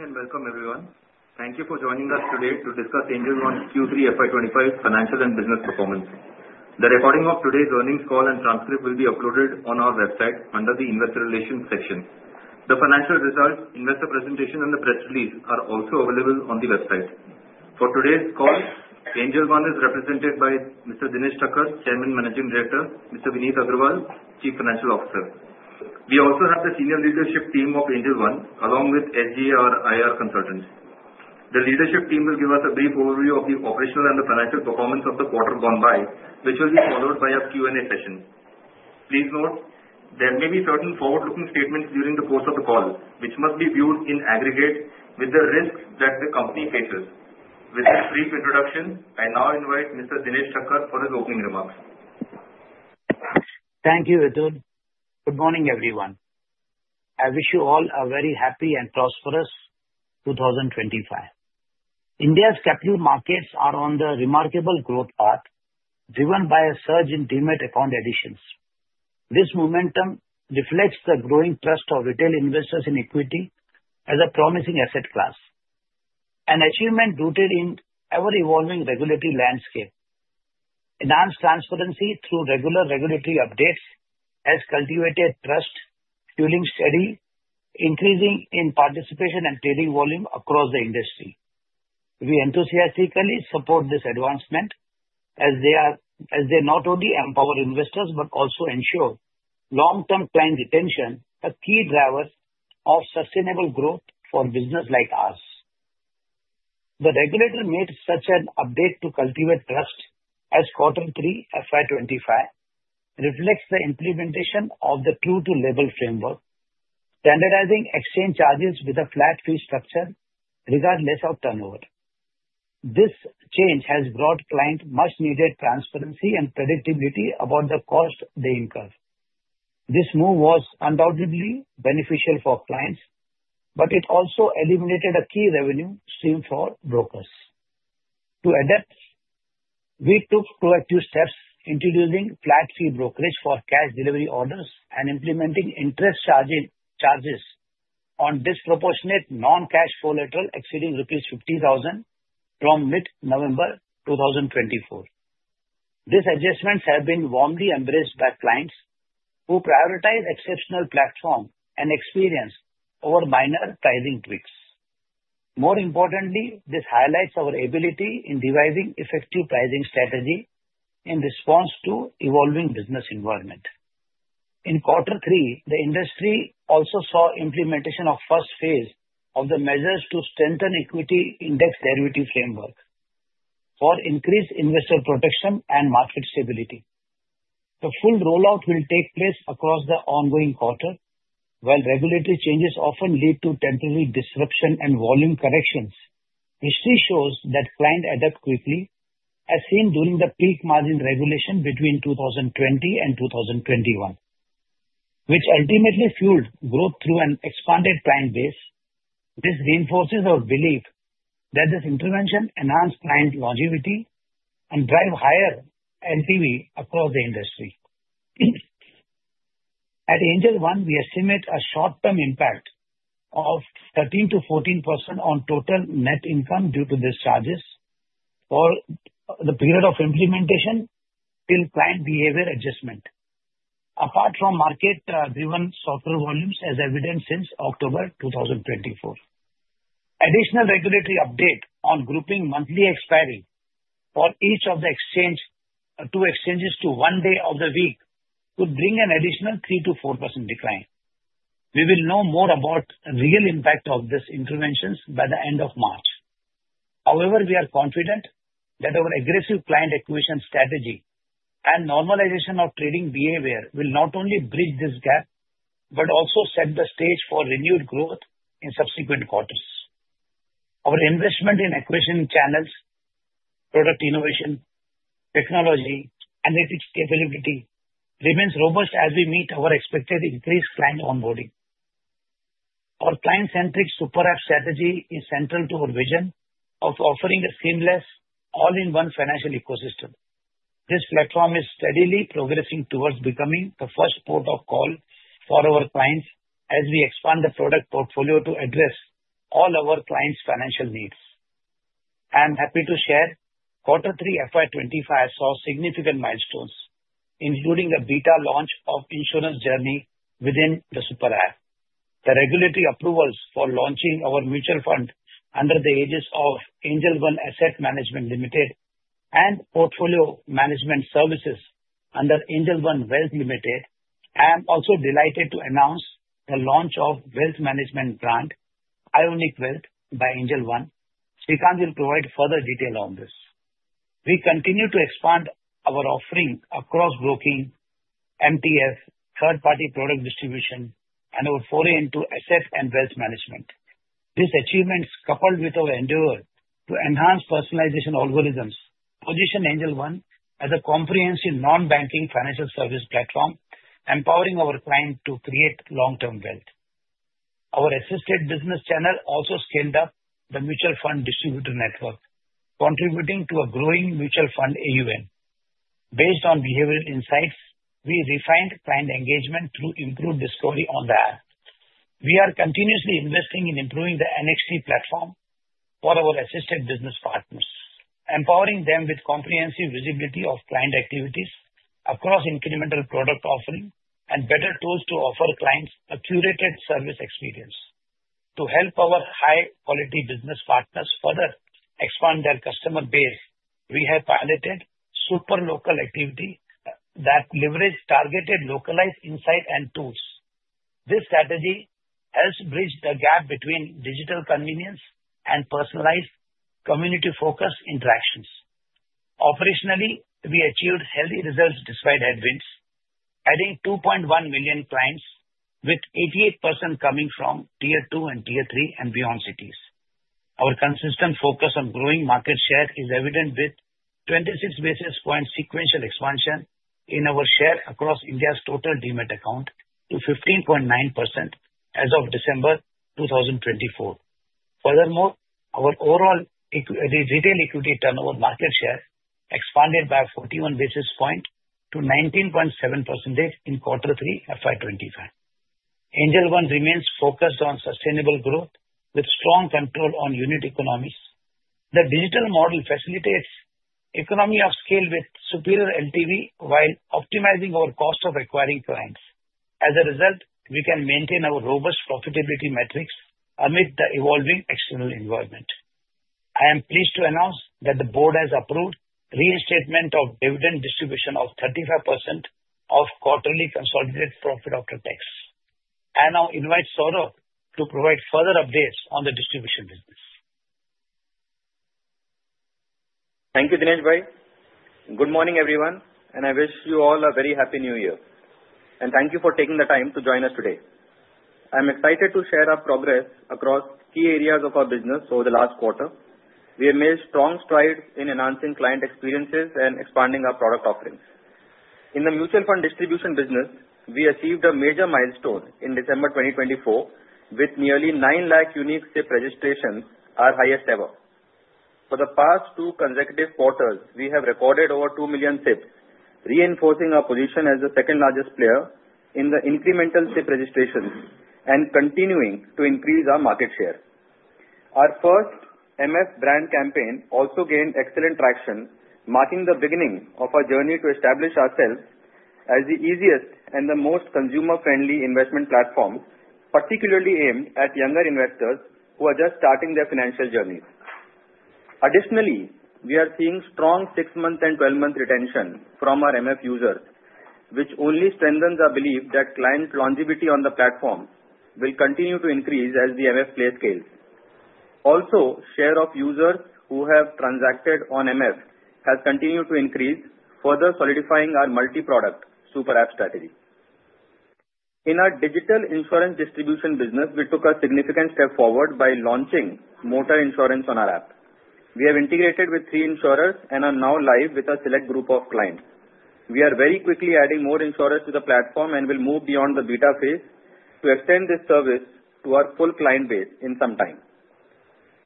Morning and welcome, everyone. Thank you for joining us today to discuss Angel One Q3 FY25 financial and business performance. The recording of today's earnings call and transcript will be uploaded on our website under the Investor Relations section. The financial results, investor presentation, and the press release are also available on the website. For today's call, Angel One is represented by Mr. Dinesh Thakkar, Chairman and Managing Director. Mr. Vineet Agrawal, Chief Financial Officer. We also have the senior leadership team of Angel One, along with SGA IR consultants. The leadership team will give us a brief overview of the operational and the financial performance of the quarter gone by, which will be followed by a Q&A session. Please note, there may be certain forward-looking statements during the course of the call, which must be viewed in aggregate with the risks that the company faces. With this brief introduction, I now invite Mr. Dinesh Thakkar for his opening remarks. Thank you, Arjun. Good morning, everyone. I wish you all a very happy and prosperous 2025. India's capital markets are on the remarkable growth path, driven by a surge in demand upon additions. This momentum reflects the growing trust of retail investors in equity as a promising asset class, an achievement rooted in an ever-evolving regulatory landscape. Enhanced transparency through regular regulatory updates has cultivated trust, fueling steady increases in participation and trading volume across the industry. We enthusiastically support this advancement, as they not only empower investors but also ensure long-term client retention, a key driver of sustainable growth for businesses like ours. The regulator made such an update to cultivate trust as Q3 FY25 reflects the implementation of the True-to-Label framework, standardizing exchange charges with a flat fee structure regardless of turnover. This change has brought clients much-needed transparency and predictability about the cost they incur. This move was undoubtedly beneficial for clients, but it also eliminated a key revenue stream for brokers. To adapt, we took proactive steps, introducing flat fee brokerage for cash delivery orders and implementing interest charges on disproportionate non-cash collateral exceeding INR 50,000 from mid-November 2024. These adjustments have been warmly embraced by clients who prioritize exceptional platform and experience over minor pricing tweaks. More importantly, this highlights our ability in devising effective pricing strategies in response to the evolving business environment. In Q3, the industry also saw the implementation of the first phase of the measures to strengthen the equity index derivative framework for increased investor protection and market stability. The full rollout will take place across the ongoing quarter. While regulatory changes often lead to temporary disruptions and volume corrections, history shows that clients adapt quickly, as seen during the peak margin regulation between 2020 and 2021, which ultimately fueled growth through an expanded client base. This reinforces our belief that this intervention enhances client longevity and drives higher LTV across the industry. At Angel One, we estimate a short-term impact of 13%-14% on total net income due to these charges for the period of implementation till client behavior adjustment, apart from market-driven softer volumes, as evident since October 2024. Additional regulatory updates on grouping monthly expiry for each of the two exchanges to one day of the week could bring an additional 3%-4% decline. We will know more about the real impact of these interventions by the end of March. However, we are confident that our aggressive client acquisition strategy and normalization of trading behavior will not only bridge this gap but also set the stage for renewed growth in subsequent quarters. Our investment in acquisition channels, product innovation, technology, and analytics capability remains robust as we meet our expected increased client onboarding. Our client-centric super app strategy is central to our vision of offering a seamless, all-in-one financial ecosystem. This platform is steadily progressing towards becoming the first port of call for our clients as we expand the product portfolio to address all our clients' financial needs. I am happy to share that Q3 FY25 saw significant milestones, including the beta launch of the insurance journey within the super app, the regulatory approvals for launching our mutual fund under the aegis of Angel One Asset Management Limited and portfolio management services under Angel One Wealth Limited. I am also delighted to announce the launch of the wealth management brand, IONIQ Wealth, by Angel One. Srikanth will provide further detail on this. We continue to expand our offering across broking, MTF, third-party product distribution, and our foray into asset and wealth management. These achievements, coupled with our endeavor to enhance personalization algorithms, position Angel One as a comprehensive non-banking financial service platform, empowering our clients to create long-term wealth. Our assisted business channel also scaled up the mutual fund distributor network, contributing to a growing mutual fund AUM. Based on behavioral insights, we refined client engagement through improved discovery on the app. We are continuously investing in improving the NXT platform for our assisted business partners, empowering them with comprehensive visibility of client activities across incremental product offerings and better tools to offer clients a curated service experience. To help our high-quality business partners further expand their customer base, we have piloted super local activity that leverages targeted localized insights and tools. This strategy helps bridge the gap between digital convenience and personalized, community-focused interactions. Operationally, we achieved healthy results despite advances, adding 2.1 million clients, with 88% coming from Tier 2 and Tier 3 and beyond cities. Our consistent focus on growing market share is evident with 26 basis points sequential expansion in our share across India's total demat account to 15.9% as of December 2024. Furthermore, our overall retail equity turnover market share expanded by 41 basis points to 19.7% in Q3 FY25. Angel One remains focused on sustainable growth with strong control on unit economies. The digital model facilitates economy of scale with superior LTV while optimizing our cost of acquiring clients. As a result, we can maintain our robust profitability metrics amid the evolving external environment. I am pleased to announce that the board has approved the reinstatement of dividend distribution of 35% of quarterly consolidated profit after tax. I now invite Saurabh to provide further updates on the distribution business. Thank you, Dinesh Bhai. Good morning, everyone, and I wish you all a very happy New Year. Thank you for taking the time to join us today. I am excited to share our progress across key areas of our business over the last quarter. We have made strong strides in enhancing client experiences and expanding our product offerings. In the mutual fund distribution business, we achieved a major milestone in December 2024, with nearly 9 lakh unique SIP registrations, our highest ever. For the past two consecutive quarters, we have recorded over 2 million SIPs, reinforcing our position as the second-largest player in the incremental SIP registrations and continuing to increase our market share. Our first MF brand campaign also gained excellent traction, marking the beginning of our journey to establish ourselves as the easiest and the most consumer-friendly investment platform, particularly aimed at younger investors who are just starting their financial journeys. Additionally, we are seeing strong 6-month and 12-month retention from our MF users, which only strengthens our belief that client longevity on the platform will continue to increase as the MF play scales. Also, the share of users who have transacted on MF has continued to increase, further solidifying our multi-product Super App strategy. In our digital insurance distribution business, we took a significant step forward by launching motor insurance on our app. We have integrated with three insurers and are now live with a select group of clients. We are very quickly adding more insurers to the platform and will move beyond the beta phase to extend this service to our full client base in some time.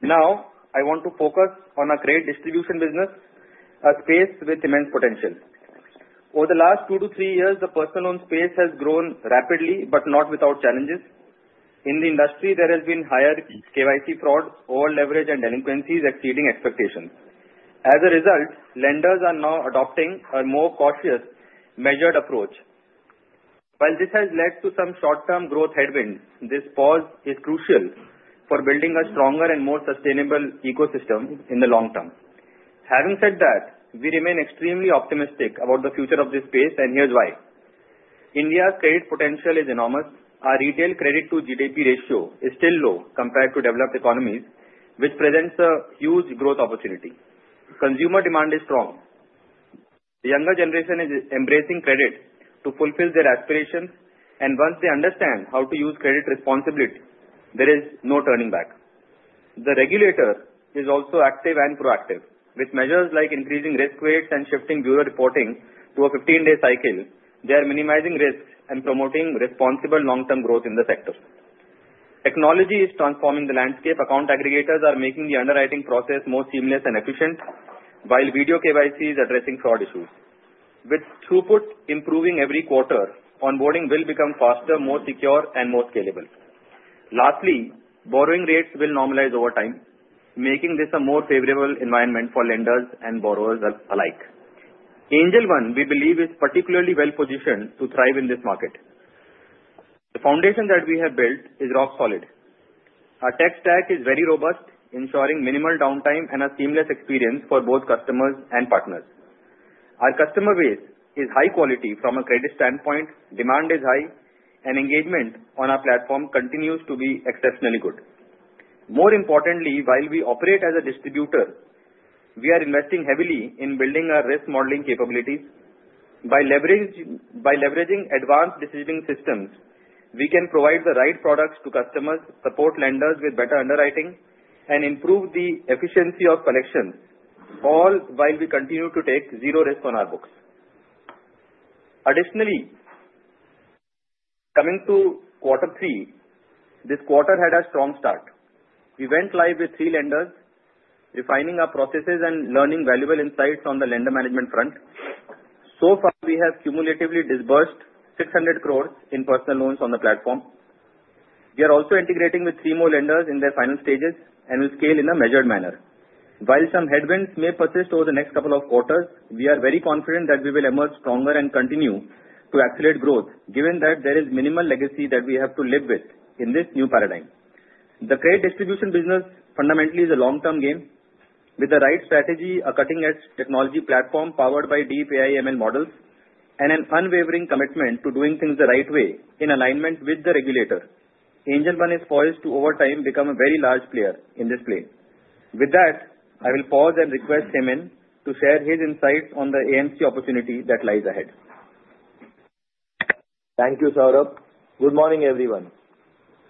Now, I want to focus on our credit distribution business, a space with immense potential. Over the last two to three years, the personal loan space has grown rapidly but not without challenges. In the industry, there has been higher KYC fraud, over-leverage, and delinquencies exceeding expectations. As a result, lenders are now adopting a more cautious, measured approach. While this has led to some short-term growth headwinds, this pause is crucial for building a stronger and more sustainable ecosystem in the long term. Having said that, we remain extremely optimistic about the future of this space, and here's why. India's credit potential is enormous. Our retail credit-to-GDP ratio is still low compared to developed economies, which presents a huge growth opportunity. Consumer demand is strong. The younger generation is embracing credit to fulfill their aspirations, and once they understand how to use credit responsibly, there is no turning back. The regulator is also active and proactive, with measures like increasing risk weights and shifting bureau reporting to a 15-day cycle. They are minimizing risks and promoting responsible long-term growth in the sector. Technology is transforming the landscape. Account aggregators are making the underwriting process more seamless and efficient, while video KYC is addressing fraud issues. With throughput improving every quarter, onboarding will become faster, more secure, and more scalable. Lastly, borrowing rates will normalize over time, making this a more favorable environment for lenders and borrowers alike. Angel One, we believe, is particularly well-positioned to thrive in this market. The foundation that we have built is rock solid. Our tech stack is very robust, ensuring minimal downtime and a seamless experience for both customers and partners. Our customer base is high quality from a credit standpoint. Demand is high, and engagement on our platform continues to be exceptionally good. More importantly, while we operate as a distributor, we are investing heavily in building our risk modeling capabilities. By leveraging advanced decisioning systems, we can provide the right products to customers, support lenders with better underwriting, and improve the efficiency of collections, all while we continue to take zero risk on our books. Additionally, coming to Q3, this quarter had a strong start. We went live with three lenders, refining our processes and learning valuable insights on the lender management front. So far, we have cumulatively disbursed 600 crores in personal loans on the platform. We are also integrating with three more lenders in their final stages and will scale in a measured manner. While some headwinds may persist over the next couple of quarters, we are very confident that we will emerge stronger and continue to accelerate growth, given that there is minimal legacy that we have to live with in this new paradigm. The credit distribution business fundamentally is a long-term game. With the right strategy, a cutting-edge technology platform powered by deep AI/ML models, and an unwavering commitment to doing things the right way in alignment with the regulator, Angel One is poised to, over time, become a very large player in this space. With that, I will pause and request Hemen to share his insights on the AMC opportunity that lies ahead. Thank you, Saurabh. Good morning, everyone.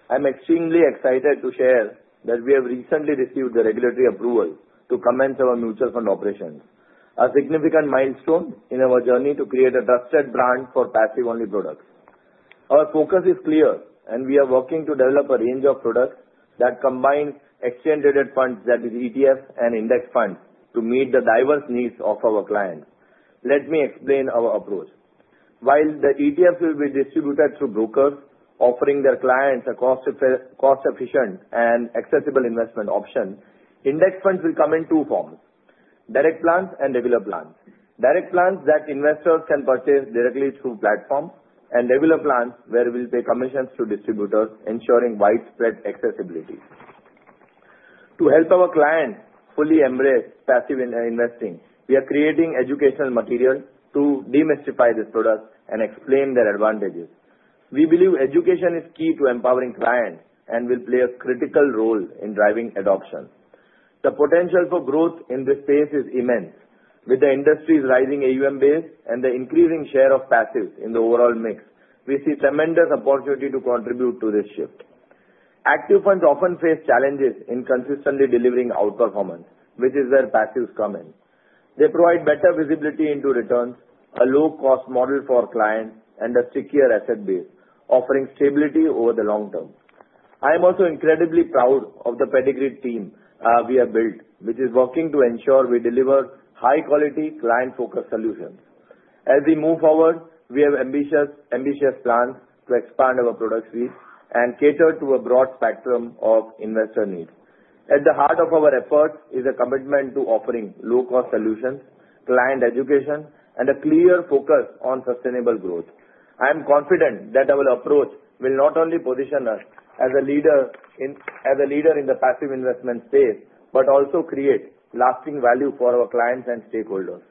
I am extremely excited to share that we have recently received the regulatory approval to commence our mutual fund operations, a significant milestone in our journey to create a trusted brand for passive-only products. Our focus is clear, and we are working to develop a range of products that combine exchange-traded funds, that is, ETFs and index funds, to meet the diverse needs of our clients. Let me explain our approach. While the ETFs will be distributed through brokers, offering their clients a cost-efficient and accessible investment option, index funds will come in two forms: direct plans and regular plans. Direct plans that investors can purchase directly through the platform, and regular plans where we will pay commissions to distributors, ensuring widespread accessibility. To help our clients fully embrace passive investing, we are creating educational materials to demystify these products and explain their advantages. We believe education is key to empowering clients and will play a critical role in driving adoption. The potential for growth in this space is immense. With the industry's rising AUM base and the increasing share of passives in the overall mix, we see a tremendous opportunity to contribute to this shift. Active funds often face challenges in consistently delivering outperformance, which is where passives come in. They provide better visibility into returns, a low-cost model for our clients, and a stickier asset base, offering stability over the long term. I am also incredibly proud of the pedigree team we have built, which is working to ensure we deliver high-quality, client-focused solutions. As we move forward, we have ambitious plans to expand our product suite and cater to a broad spectrum of investor needs. At the heart of our efforts is a commitment to offering low-cost solutions, client education, and a clear focus on sustainable growth. I am confident that our approach will not only position us as a leader in the passive investment space but also create lasting value for our clients and stakeholders.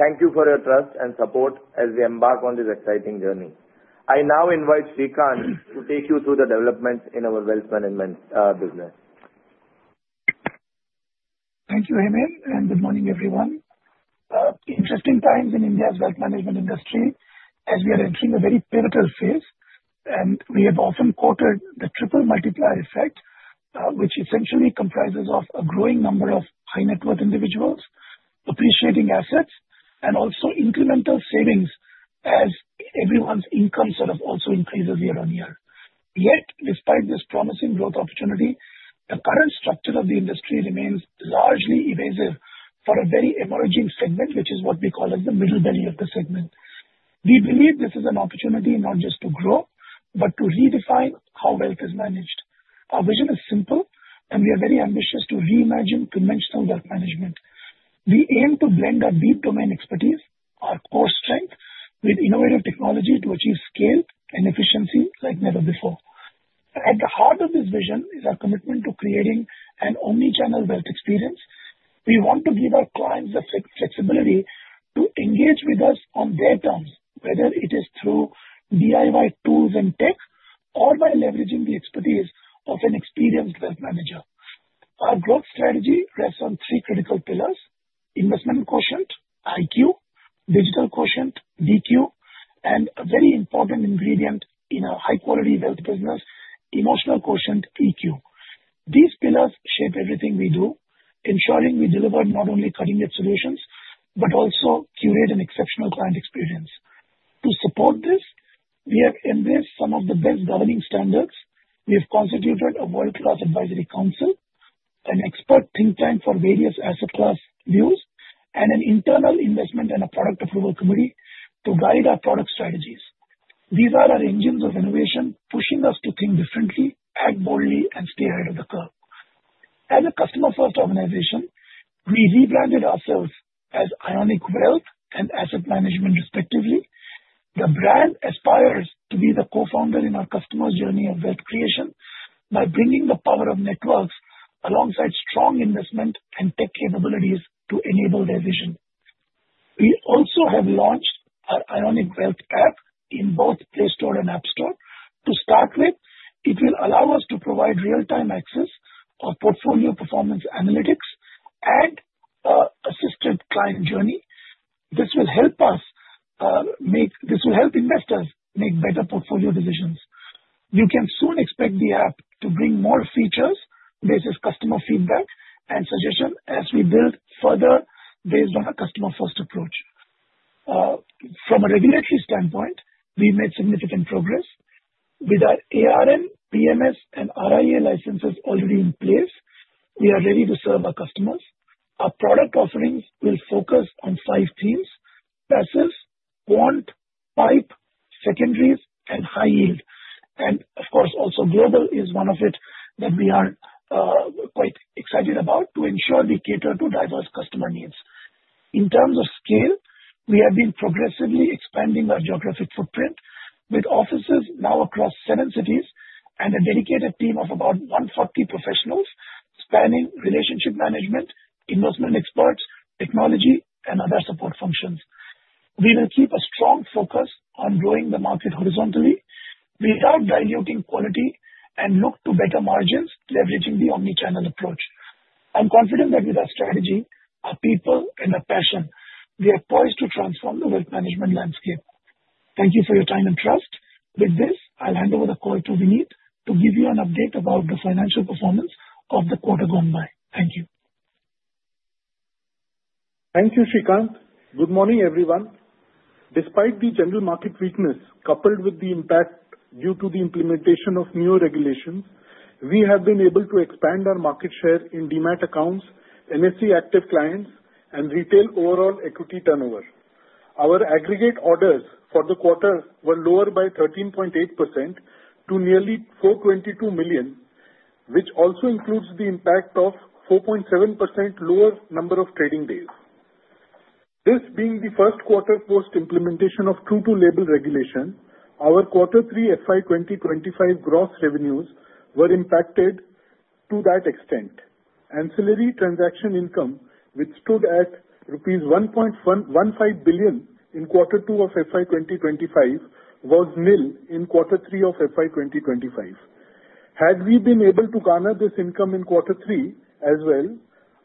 Thank you for your trust and support as we embark on this exciting journey. I now invite Srikanth to take you through the developments in our wealth management business. Thank you, Hemen, and good morning, everyone. Interesting times in India's wealth management industry as we are entering a very pivotal phase. We have often quoted the triple multiplier effect, which essentially comprises a growing number of high-net-worth individuals appreciating assets and also incremental savings as everyone's income sort of also increases year on year. Yet, despite this promising growth opportunity, the current structure of the industry remains largely evasive for a very emerging segment, which is what we call the middle belly of the segment. We believe this is an opportunity not just to grow but to redefine how wealth is managed. Our vision is simple, and we are very ambitious to reimagine conventional wealth management. We aim to blend our deep domain expertise, our core strength, with innovative technology to achieve scale and efficiency like never before. At the heart of this vision is our commitment to creating an omnichannel wealth experience. We want to give our clients the flexibility to engage with us on their terms, whether it is through DIY tools and tech or by leveraging the expertise of an experienced wealth manager. Our growth strategy rests on three critical pillars: investment quotient, IQ, digital quotient, DQ, and a very important ingredient in a high-quality wealth business, emotional quotient, EQ. These pillars shape everything we do, ensuring we deliver not only cutting-edge solutions but also curate an exceptional client experience. To support this, we have embraced some of the best governing standards. We have constituted a world-class advisory council, an expert think tank for various asset class views, and an internal investment and a product approval committee to guide our product strategies. These are our engines of innovation, pushing us to think differently, act boldly, and stay ahead of the curve. As a customer-first organization, we rebranded ourselves as IONIQ Wealth and Asset Management, respectively. The brand aspires to be the co-founder in our customers' journey of wealth creation by bringing the power of networks alongside strong investment and tech capabilities to enable their vision. We also have launched our IONIQ Wealth app in both Play Store and App Store. To start with, it will allow us to provide real-time access, portfolio performance analytics, and an assisted client journey. This will help us make, this will help investors make better portfolio decisions. You can soon expect the app to bring more features based on customer feedback and suggestions as we build further based on a customer-first approach. From a regulatory standpoint, we've made significant progress. With our ARN, PMS, and RIA licenses already in place, we are ready to serve our customers. Our product offerings will focus on five themes: passive, quant, pipe, secondaries, and high yield. And of course, also global is one of it that we are quite excited about to ensure we cater to diverse customer needs. In terms of scale, we have been progressively expanding our geographic footprint with offices now across seven cities and a dedicated team of about 140 professionals spanning relationship management, investment experts, technology, and other support functions. We will keep a strong focus on growing the market horizontally without diluting quality and look to better margins leveraging the omnichannel approach. I'm confident that with our strategy, our people, and our passion, we are poised to transform the wealth management landscape. Thank you for your time and trust. With this, I'll hand over the call to Vineet to give you an update about the financial performance of the quarter gone by. Thank you. Thank you, Srikanth. Good morning, everyone. Despite the general market weakness coupled with the impact due to the implementation of new regulations, we have been able to expand our market share in Demat accounts, NSE active clients, and retail overall equity turnover. Our aggregate orders for the quarter were lower by 13.8% to nearly 422 million, which also includes the impact of a 4.7% lower number of trading days. This being the first quarter post-implementation of True-to-Label regulation, our quarter three FY 2025 gross revenues were impacted to that extent. Ancillary transaction income withstood at rupees 1.15 billion in quarter two of FY 2025, while nil in quarter three of FY 2025. Had we been able to garner this income in quarter three as well,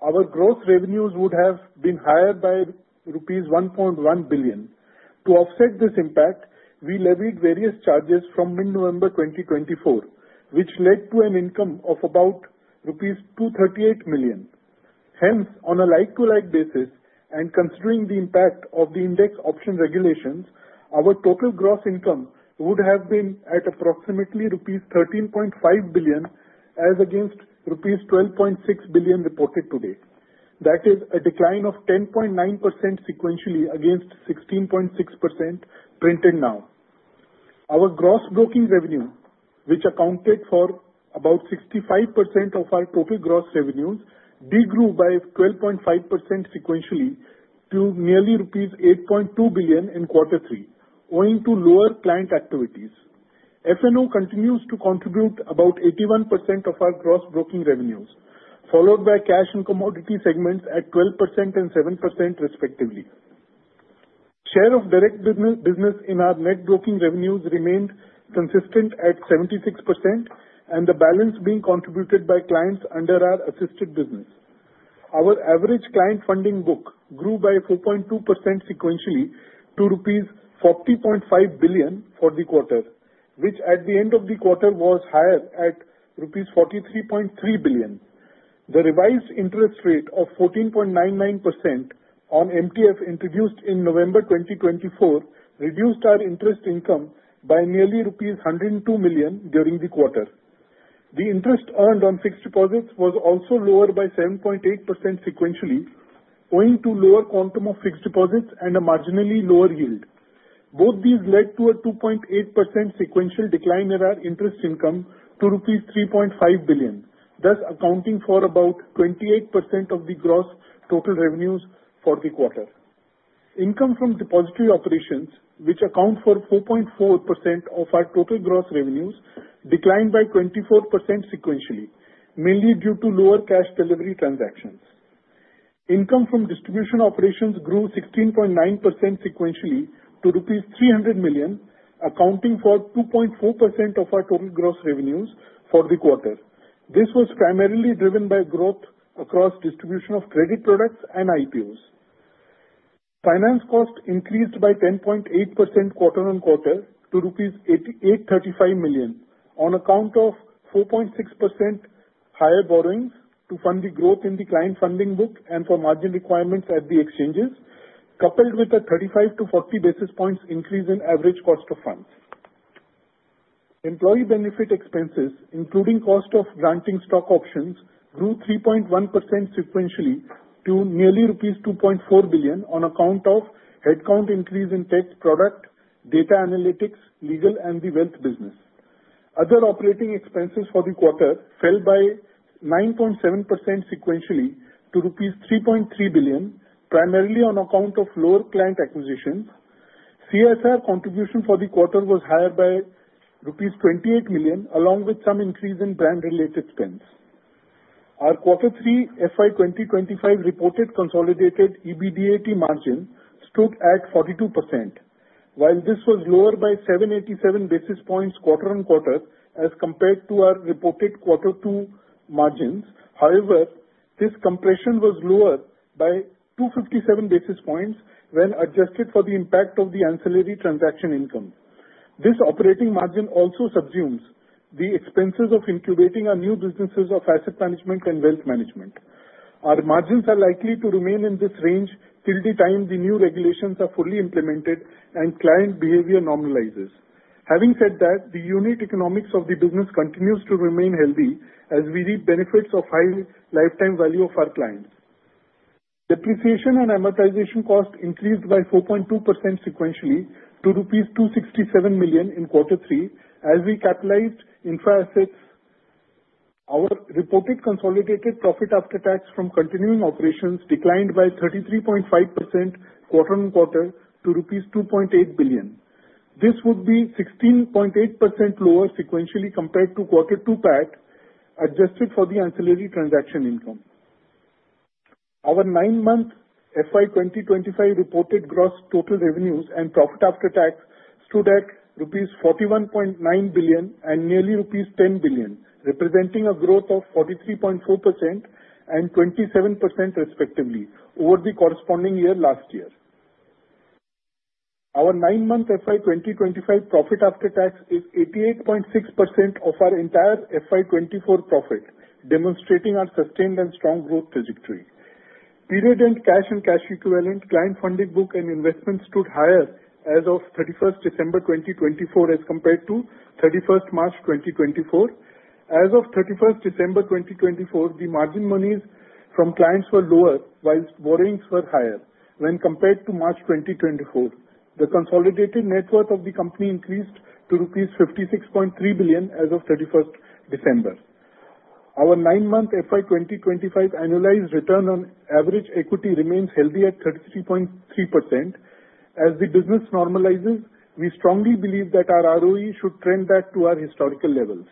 our gross revenues would have been higher by rupees 1.1 billion. To offset this impact, we levied various charges from mid-November 2024, which led to an income of about INR 238 million. Hence, on a like-to-like basis and considering the impact of the index option regulations, our total gross income would have been at approximately rupees 13.5 billion as against rupees 12.6 billion reported today. That is a decline of 10.9% sequentially against 16.6% printed now. Our gross broking revenue, which accounted for about 65% of our total gross revenues, degrew by 12.5% sequentially to nearly rupees 8.2 billion in quarter three, owing to lower client activities. F&O continues to contribute about 81% of our gross broking revenues, followed by cash and commodity segments at 12% and 7%, respectively. Share of direct business in our net broking revenues remained consistent at 76%, and the balance being contributed by clients under our assisted business. Our average client funding book grew by 4.2% sequentially to rupees 40.5 billion for the quarter, which at the end of the quarter was higher at rupees 43.3 billion. The revised interest rate of 14.99% on MTF introduced in November 2024 reduced our interest income by nearly rupees 102 million during the quarter. The interest earned on fixed deposits was also lower by 7.8% sequentially, owing to lower quantum of fixed deposits and a marginally lower yield. Both these led to a 2.8% sequential decline in our interest income to rupees 3.5 billion, thus accounting for about 28% of the gross total revenues for the quarter. Income from depository operations, which account for 4.4% of our total gross revenues, declined by 24% sequentially, mainly due to lower cash delivery transactions. Income from distribution operations grew 16.9% sequentially to rupees 300 million, accounting for 2.4% of our total gross revenues for the quarter. This was primarily driven by growth across distribution of credit products and IPOs. Finance cost increased by 10.8% quarter on quarter to rupees 835 million on account of 4.6% higher borrowings to fund the growth in the client funding book and for margin requirements at the exchanges, coupled with a 35 to 40 basis points increase in average cost of funds. Employee benefit expenses, including cost of granting stock options, grew 3.1% sequentially to nearly rupees 2.4 billion on account of headcount increase in tech product, data analytics, legal, and the wealth business. Other operating expenses for the quarter fell by 9.7% sequentially to rupees 3.3 billion, primarily on account of lower client acquisitions. CSR contribution for the quarter was higher by rupees 28 million, along with some increase in brand-related spends. Our quarter three FY 2025 reported consolidated EBITDA margin stood at 42%, while this was lower by 787 basis points quarter on quarter as compared to our reported quarter two margins. However, this compression was lower by 257 basis points when adjusted for the impact of the ancillary transaction income. This operating margin also subsumes the expenses of incubating our new businesses of asset management and wealth management. Our margins are likely to remain in this range till the time the new regulations are fully implemented and client behavior normalizes. Having said that, the unit economics of the business continues to remain healthy as we reap benefits of high lifetime value of our clients. Depreciation and amortization cost increased by 4.2% sequentially to rupees 267 million in quarter three as we capitalized infra assets. Our reported consolidated profit after tax from continuing operations declined by 33.5% quarter on quarter to ₹2.8 billion. This would be 16.8% lower sequentially compared to quarter two PAT adjusted for the ancillary transaction income. Our nine-month FY 2025 reported gross total revenues and profit after tax stood at ₹41.9 billion and nearly ₹10 billion, representing a growth of 43.4% and 27%, respectively, over the corresponding year last year. Our nine-month FY 2025 profit after tax is 88.6% of our entire FY 24 profit, demonstrating our sustained and strong growth trajectory. Period end cash and cash equivalent client funding book and investments stood higher as of 31st December 2024 as compared to 31st March 2024. As of 31st December 2024, the margin monies from clients were lower while borrowings were higher when compared to March 2024. The consolidated net worth of the company increased to rupees 56.3 billion as of 31st December. Our nine-month FY 2025 annualized return on average equity remains healthy at 33.3%. As the business normalizes, we strongly believe that our ROE should trend back to our historical levels.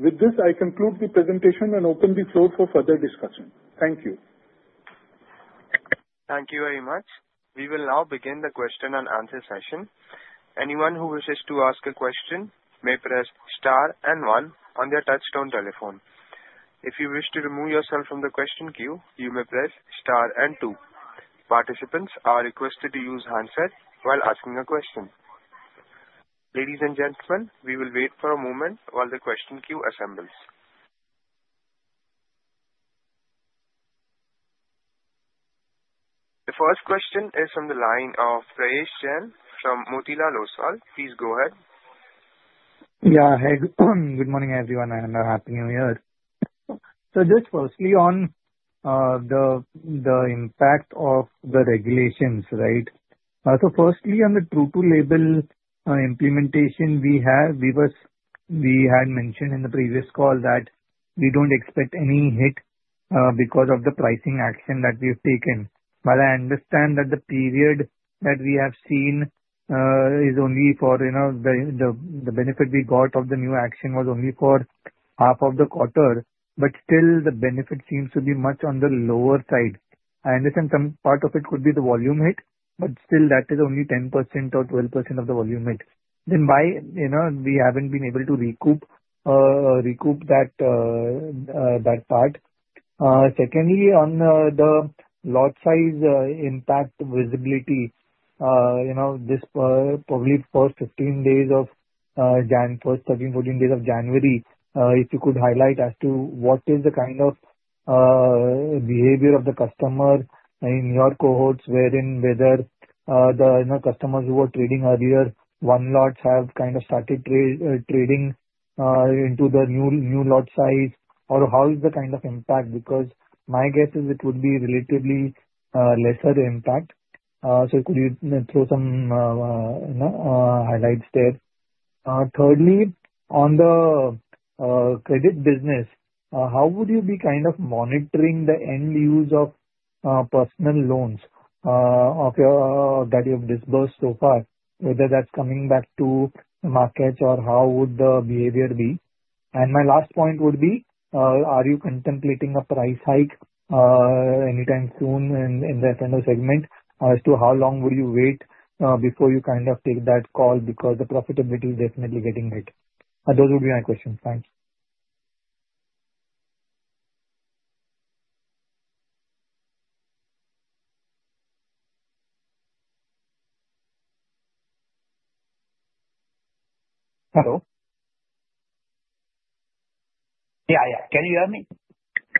With this, I conclude the presentation and open the floor for further discussion. Thank you. Thank you very much. We will now begin the question and answer session. Anyone who wishes to ask a question may press star and one on their touch-tone telephone. If you wish to remove yourself from the question queue, you may press star and two. Participants are requested to use handset while asking a question. Ladies and gentlemen, we will wait for a moment while the question queue assembles. The first question is from the line of Prayesh Jain from Motilal Oswal. Please go ahead. Yeah, good morning, everyone, and a happy New Year. So just firstly on the impact of the regulations, right? So firstly, on the True-to-Label implementation we have, we had mentioned in the previous call that we don't expect any hit because of the pricing action that we've taken. But I understand that the period that we have seen is only for the benefit we got of the new action was only for half of the quarter, but still the benefit seems to be much on the lower side. I understand some part of it could be the volume hit, but still that is only 10% or 12% of the volume hit. Then why we haven't been able to recoup that part? Secondly, on the lot size impact visibility, this probably first 15 days of January, first 13, 14 days of January, if you could highlight as to what is the kind of behavior of the customer in your cohorts wherein whether the customers who were trading earlier, one lots have kind of started trading into the new lot size or how is the kind of impact? Because my guess is it would be relatively lesser impact. So could you throw some highlights there? Thirdly, on the credit business, how would you be kind of monitoring the end use of personal loans that you have disbursed so far, whether that's coming back to markets or how would the behavior be? And my last point would be, are you contemplating a price hike anytime soon in the F&O segment as to how long would you wait before you kind of take that call because the profitability is definitely getting hit? Those would be my questions. Thanks. Hello? Yeah, yeah. Can you hear me?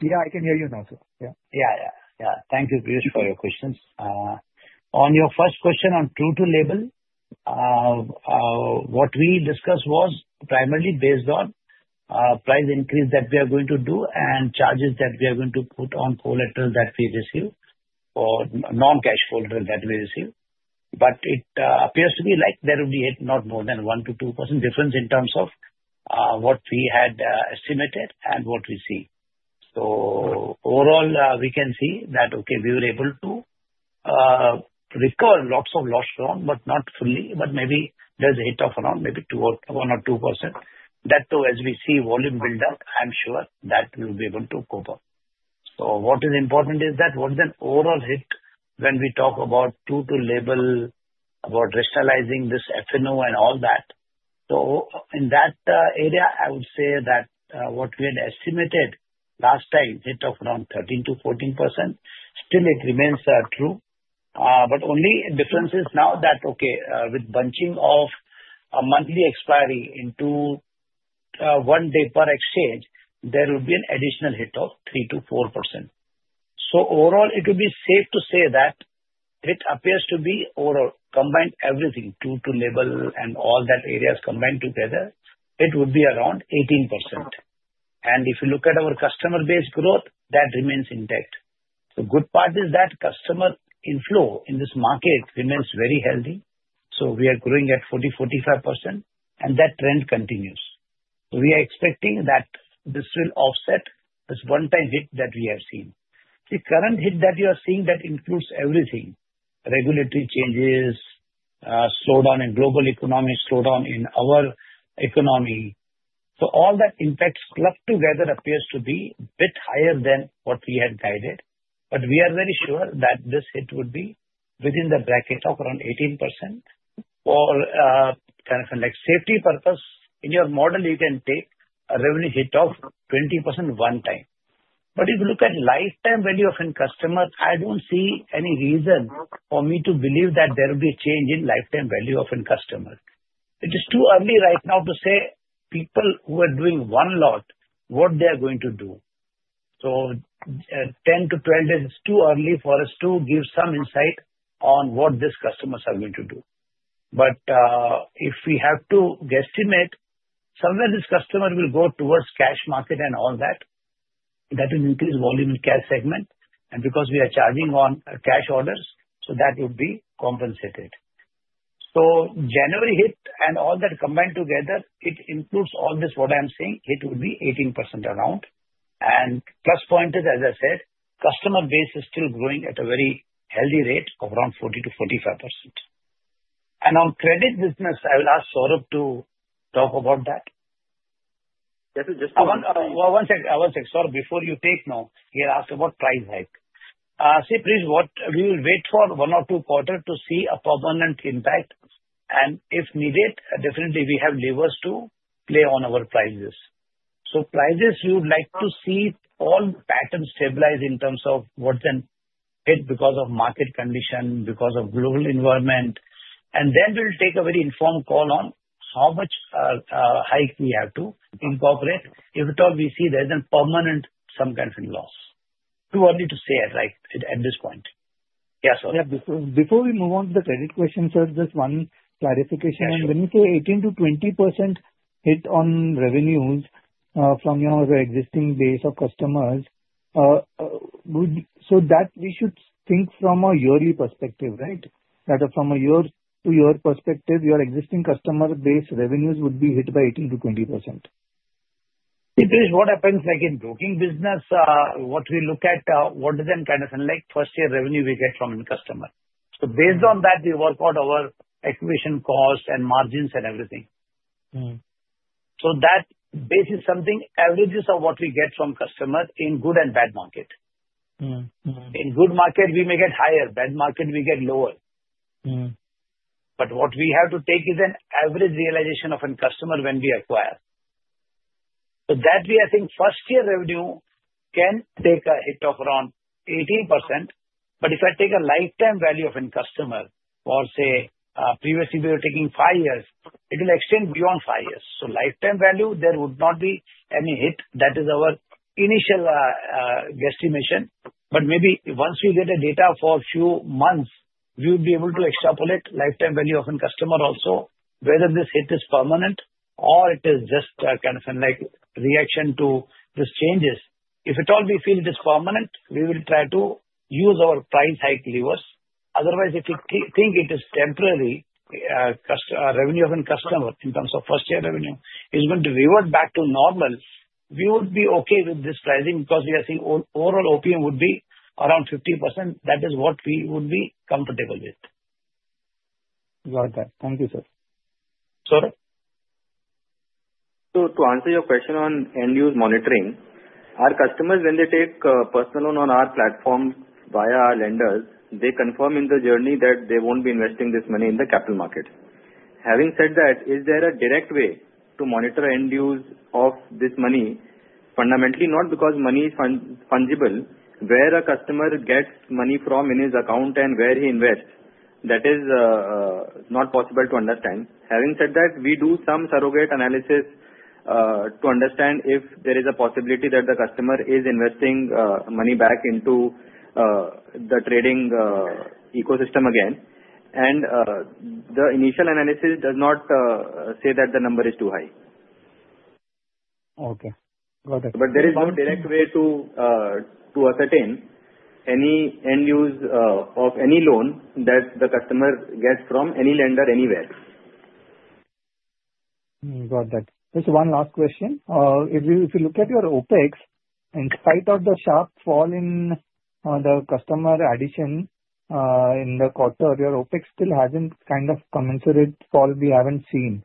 Yeah, I can hear you now, sir. Yeah, yeah. Yeah. Thank you, Prayesh, for your questions. On your first question on True-to-Label, what we discussed was primarily based on price increase that we are going to do and charges that we are going to put on orders that we receive or non-cash orders that we receive. But it appears to be like there will be not more than 1%-2% difference in terms of what we had estimated and what we see. So overall, we can see that, okay, we were able to recover lots of loss from, but not fully, but maybe there's a hit of around maybe one or 2%. That too, as we see volume buildup, I'm sure that we'll be able to cope up. So what is important is that what is the overall hit when we talk about True-to-Label, about rationalizing this F&O and all that. So in that area, I would say that what we had estimated last time, hit of around 13%-14%, still it remains true. But only difference is now that, okay, with bunching of a monthly expiry into one day per exchange, there will be an additional hit of 3%-4%. So overall, it would be safe to say that it appears to be overall combined everything, true-to-label and all that areas combined together, it would be around 18%. And if you look at our customer base growth, that remains intact. The good part is that customer inflow in this market remains very healthy. So we are growing at 40%-45%, and that trend continues. So we are expecting that this will offset this one-time hit that we have seen. The current hit that you are seeing that includes everything, regulatory changes, slowdown in global economy, slowdown in our economy, so all that impacts clumped together appears to be a bit higher than what we had guided, but we are very sure that this hit would be within the bracket of around 18%. For kind of a safety purpose, in your model, you can take a revenue hit of 20% one time, but if you look at lifetime value of customers, I don't see any reason for me to believe that there will be a change in lifetime value of customers. It is too early right now to say people who are doing one lot, what they are going to do, so 10 to 12 days is too early for us to give some insight on what these customers are going to do. But if we have to guesstimate, somewhere this customer will go towards cash market and all that, that will increase volume in cash segment. And because we are charging on cash orders, so that would be compensated. So January hit and all that combined together, it includes all this what I'm saying, it would be around 18%. And plus point is, as I said, customer base is still growing at a very healthy rate of around 40%-45%. And on credit business, I will ask Saurabh to talk about that. Just one second. One second, Saurabh, before you take note. He asked about price hike. See, Prayesh, we will wait for one or two quarters to see a permanent impact, and if needed, definitely we have levers to play on our prices. So prices, you would like to see all patterns stabilize in terms of what's the hit because of market condition, because of global environment, and then we'll take a very informed call on how much hike we have to incorporate. If at all we see there's a permanent some kind of loss. Too early to say it right at this point. Yeah, Saurabh. Before we move on to the credit question, sir, just one clarification. When you say 18%-20% hit on revenues from your existing base of customers, so that we should think from a yearly perspective, right? That from a year-to-year perspective, your existing customer base revenues would be hit by 18%-20%. See, Prayesh, what happens like in broking business, what we look at, what is the kind of first-year revenue we get from a customer? So based on that, we work out our acquisition cost and margins and everything. So that basic something averages of what we get from customers in good and bad market. In good market, we may get higher. Bad market, we get lower. But what we have to take is an average realization of a customer when we acquire. So that way, I think first-year revenue can take a hit of around 18%. But if I take a lifetime value of a customer, or say previously we were taking five years, it will extend beyond five years. So lifetime value, there would not be any hit. That is our initial guesstimation. But maybe once we get a data for a few months, we would be able to extrapolate lifetime value of a customer also, whether this hit is permanent or it is just kind of like reaction to these changes. If at all we feel it is permanent, we will try to use our price hike levers. Otherwise, if we think it is temporary, revenue of a customer in terms of first-year revenue is going to revert back to normal, we would be okay with this pricing because we are seeing overall OPM would be around 50%. That is what we would be comfortable with. Got that. Thank you, sir. Saurabh? To answer your question on end-use monitoring, our customers, when they take personal loan on our platform via our lenders, they confirm in the journey that they won't be investing this money in the capital market. Having said that, is there a direct way to monitor end-use of this money? Fundamentally, not because money is fungible, where a customer gets money from in his account and where he invests, that is not possible to understand. Having said that, we do some surrogate analysis to understand if there is a possibility that the customer is investing money back into the trading ecosystem again. And the initial analysis does not say that the number is too high. Okay. Got it. But there is no direct way to ascertain any end-use of any loan that the customer gets from any lender anywhere. Got that. Just one last question. If you look at your OpEx, in spite of the sharp fall in the customer addition in the quarter, your OpEx still hasn't kind of commensurate fall we haven't seen.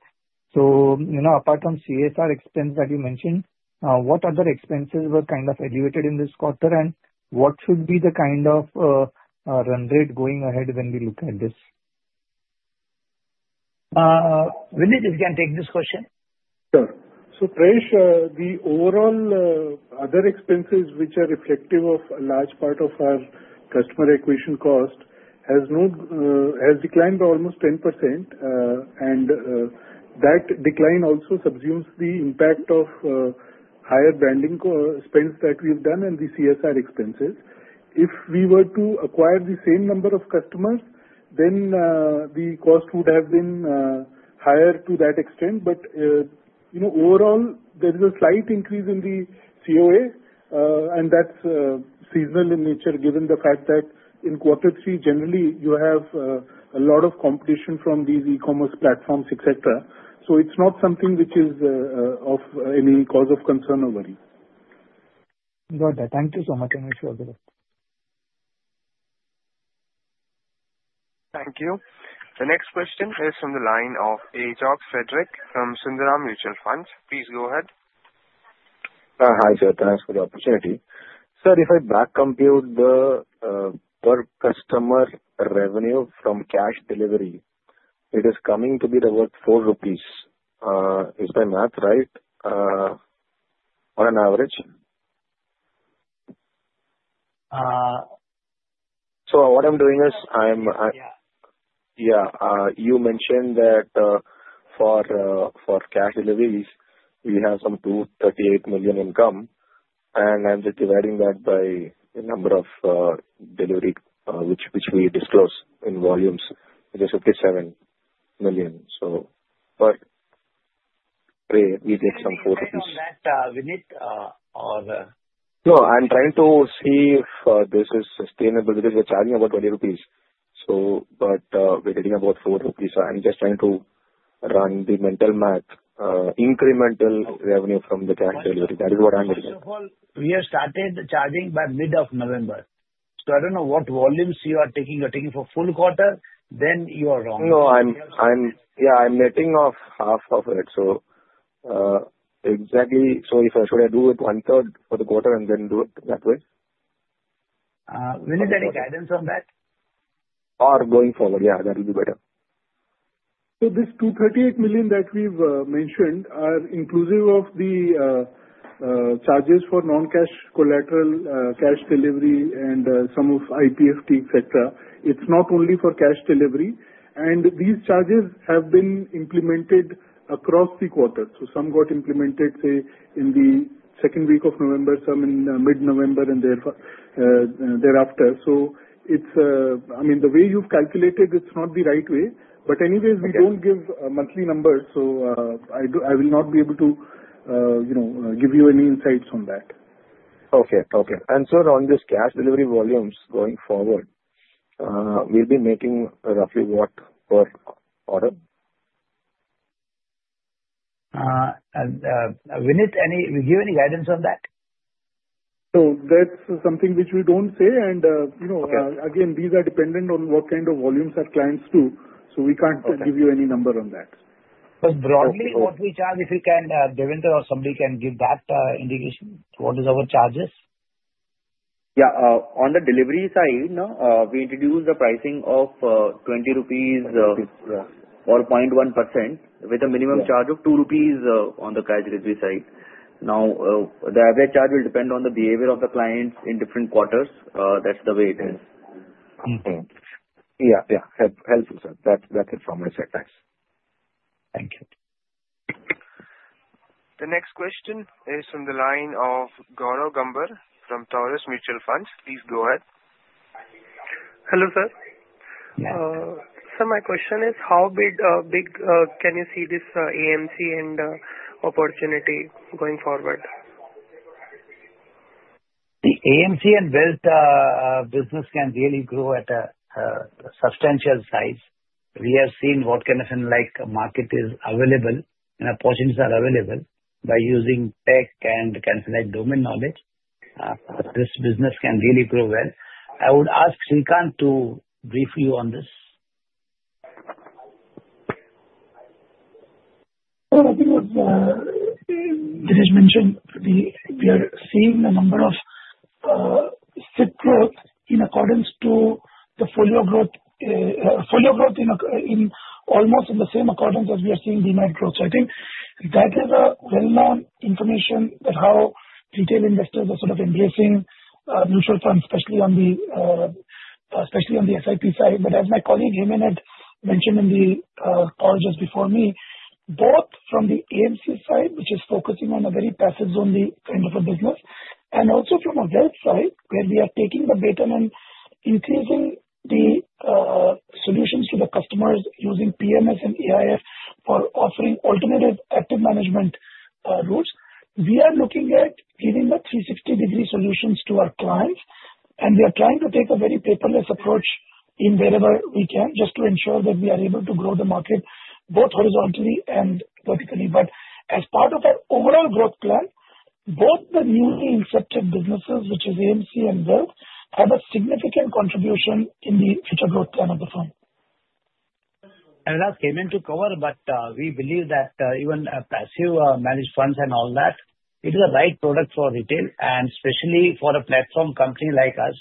So apart from CSR expense that you mentioned, what other expenses were kind of elevated in this quarter, and what should be the kind of run rate going ahead when we look at this? Will you just again take this question? Sure. So Prayesh, the overall other expenses, which are reflective of a large part of our customer acquisition cost, has declined almost 10%. And that decline also subsumes the impact of higher branding spends that we've done and the CSR expenses. If we were to acquire the same number of customers, then the cost would have been higher to that extent. But overall, there is a slight increase in the COA, and that's seasonal in nature, given the fact that in quarter three, generally, you have a lot of competition from these e-commerce platforms, etc. So it's not something which is of any cause of concern or worry. Got it. Thank you so much, Dinesh, Saurabh. Thank you. The next question is from the line of Ajox Frederick from Sundaram Mutual Fund. Please go ahead. Hi, sir. Thanks for the opportunity. Sir, if I back compute the per customer revenue from cash delivery, it is coming to be about 4 rupees. Is my math right? On an average? So what I'm doing is I'm. Yeah. Yeah. You mentioned that for cash deliveries, we have some 238 million income. And I'm just dividing that by the number of delivery, which we disclose in volumes, which is 57 million. But we get some INR 4. Can you correct that, Vineet, or? No, I'm trying to see if this is sustainable. It is a charging about 20 rupees. But we're getting about 4 rupees. So I'm just trying to run the mental math, incremental revenue from the cash delivery. That is what I'm looking at. First of all, we have started charging by mid of November. So I don't know what volumes you are taking. You're taking for full quarter, then you are wrong. No, I'm getting off half of it. So exactly, so should I do it one-third for the quarter and then do it that way? Will you get any guidance on that? Or going forward, yeah, that will be better. This 238 million that we've mentioned are inclusive of the charges for non-cash collateral, cash delivery, and some of IPFT, etc. It's not only for cash delivery. These charges have been implemented across the quarter. Some got implemented, say, in the second week of November, some in mid-November, and thereafter. I mean, the way you've calculated, it's not the right way. Anyways, we don't give monthly numbers. I will not be able to give you any insights on that. And sir, on this cash delivery volumes going forward, we'll be making roughly what per order? Vineet, will you give any guidance on that? That's something which we don't say. Again, these are dependent on what kind of volumes our clients do. We can't give you any number on that. But broadly, what we charge, if you can, Devender or somebody can give that indication, what are our charges? Yeah. On the delivery side, we introduce a pricing of 20 rupees or 0.1% with a minimum charge of 2 rupees on the cash delivery side. Now, the average charge will depend on the behavior of the clients in different quarters. That's the way it is. Okay. Yeah. Yeah. Helpful, sir. That's it from my side. Thanks. Thank you. The next question is from the line of Gaurav Gambhir from Taurus Mutual Fund. Please go ahead. Hello, sir. Sir, my question is, how big can you see this AMC and opportunity going forward? The AMC and Wealth business can really grow at a substantial size. We have seen what kind of market is available and opportunities are available by using tech and kind of like domain knowledge. This business can really grow well. I would ask Srikanth to brief you on this. I think what Dinesh mentioned, we are seeing a number of CIP growth in accordance to the folio growth, folio growth in almost the same accordance as we are seeing DNet growth. So I think that is a well-known information that how retail investors are sort of embracing mutual funds, especially on the SIP side. But as my colleague Hemen had mentioned in the call just before me, both from the AMC side, which is focusing on a very passive-zoned kind of a business, and also from a Wealth side, where we are taking the beta and increasing the solutions to the customers using PMS and AIF for offering alternative active management routes. We are looking at giving the 360-degree solutions to our clients. And we are trying to take a very paperless approach in wherever we can just to ensure that we are able to grow the market both horizontally and vertically. But as part of our overall growth plan, both the newly incepted businesses, which is AMC and Wealth, have a significant contribution in the future growth plan of the firm. And that's come into cover. But we believe that even passive managed funds and all that, it is a right product for retail. And especially for a platform company like us,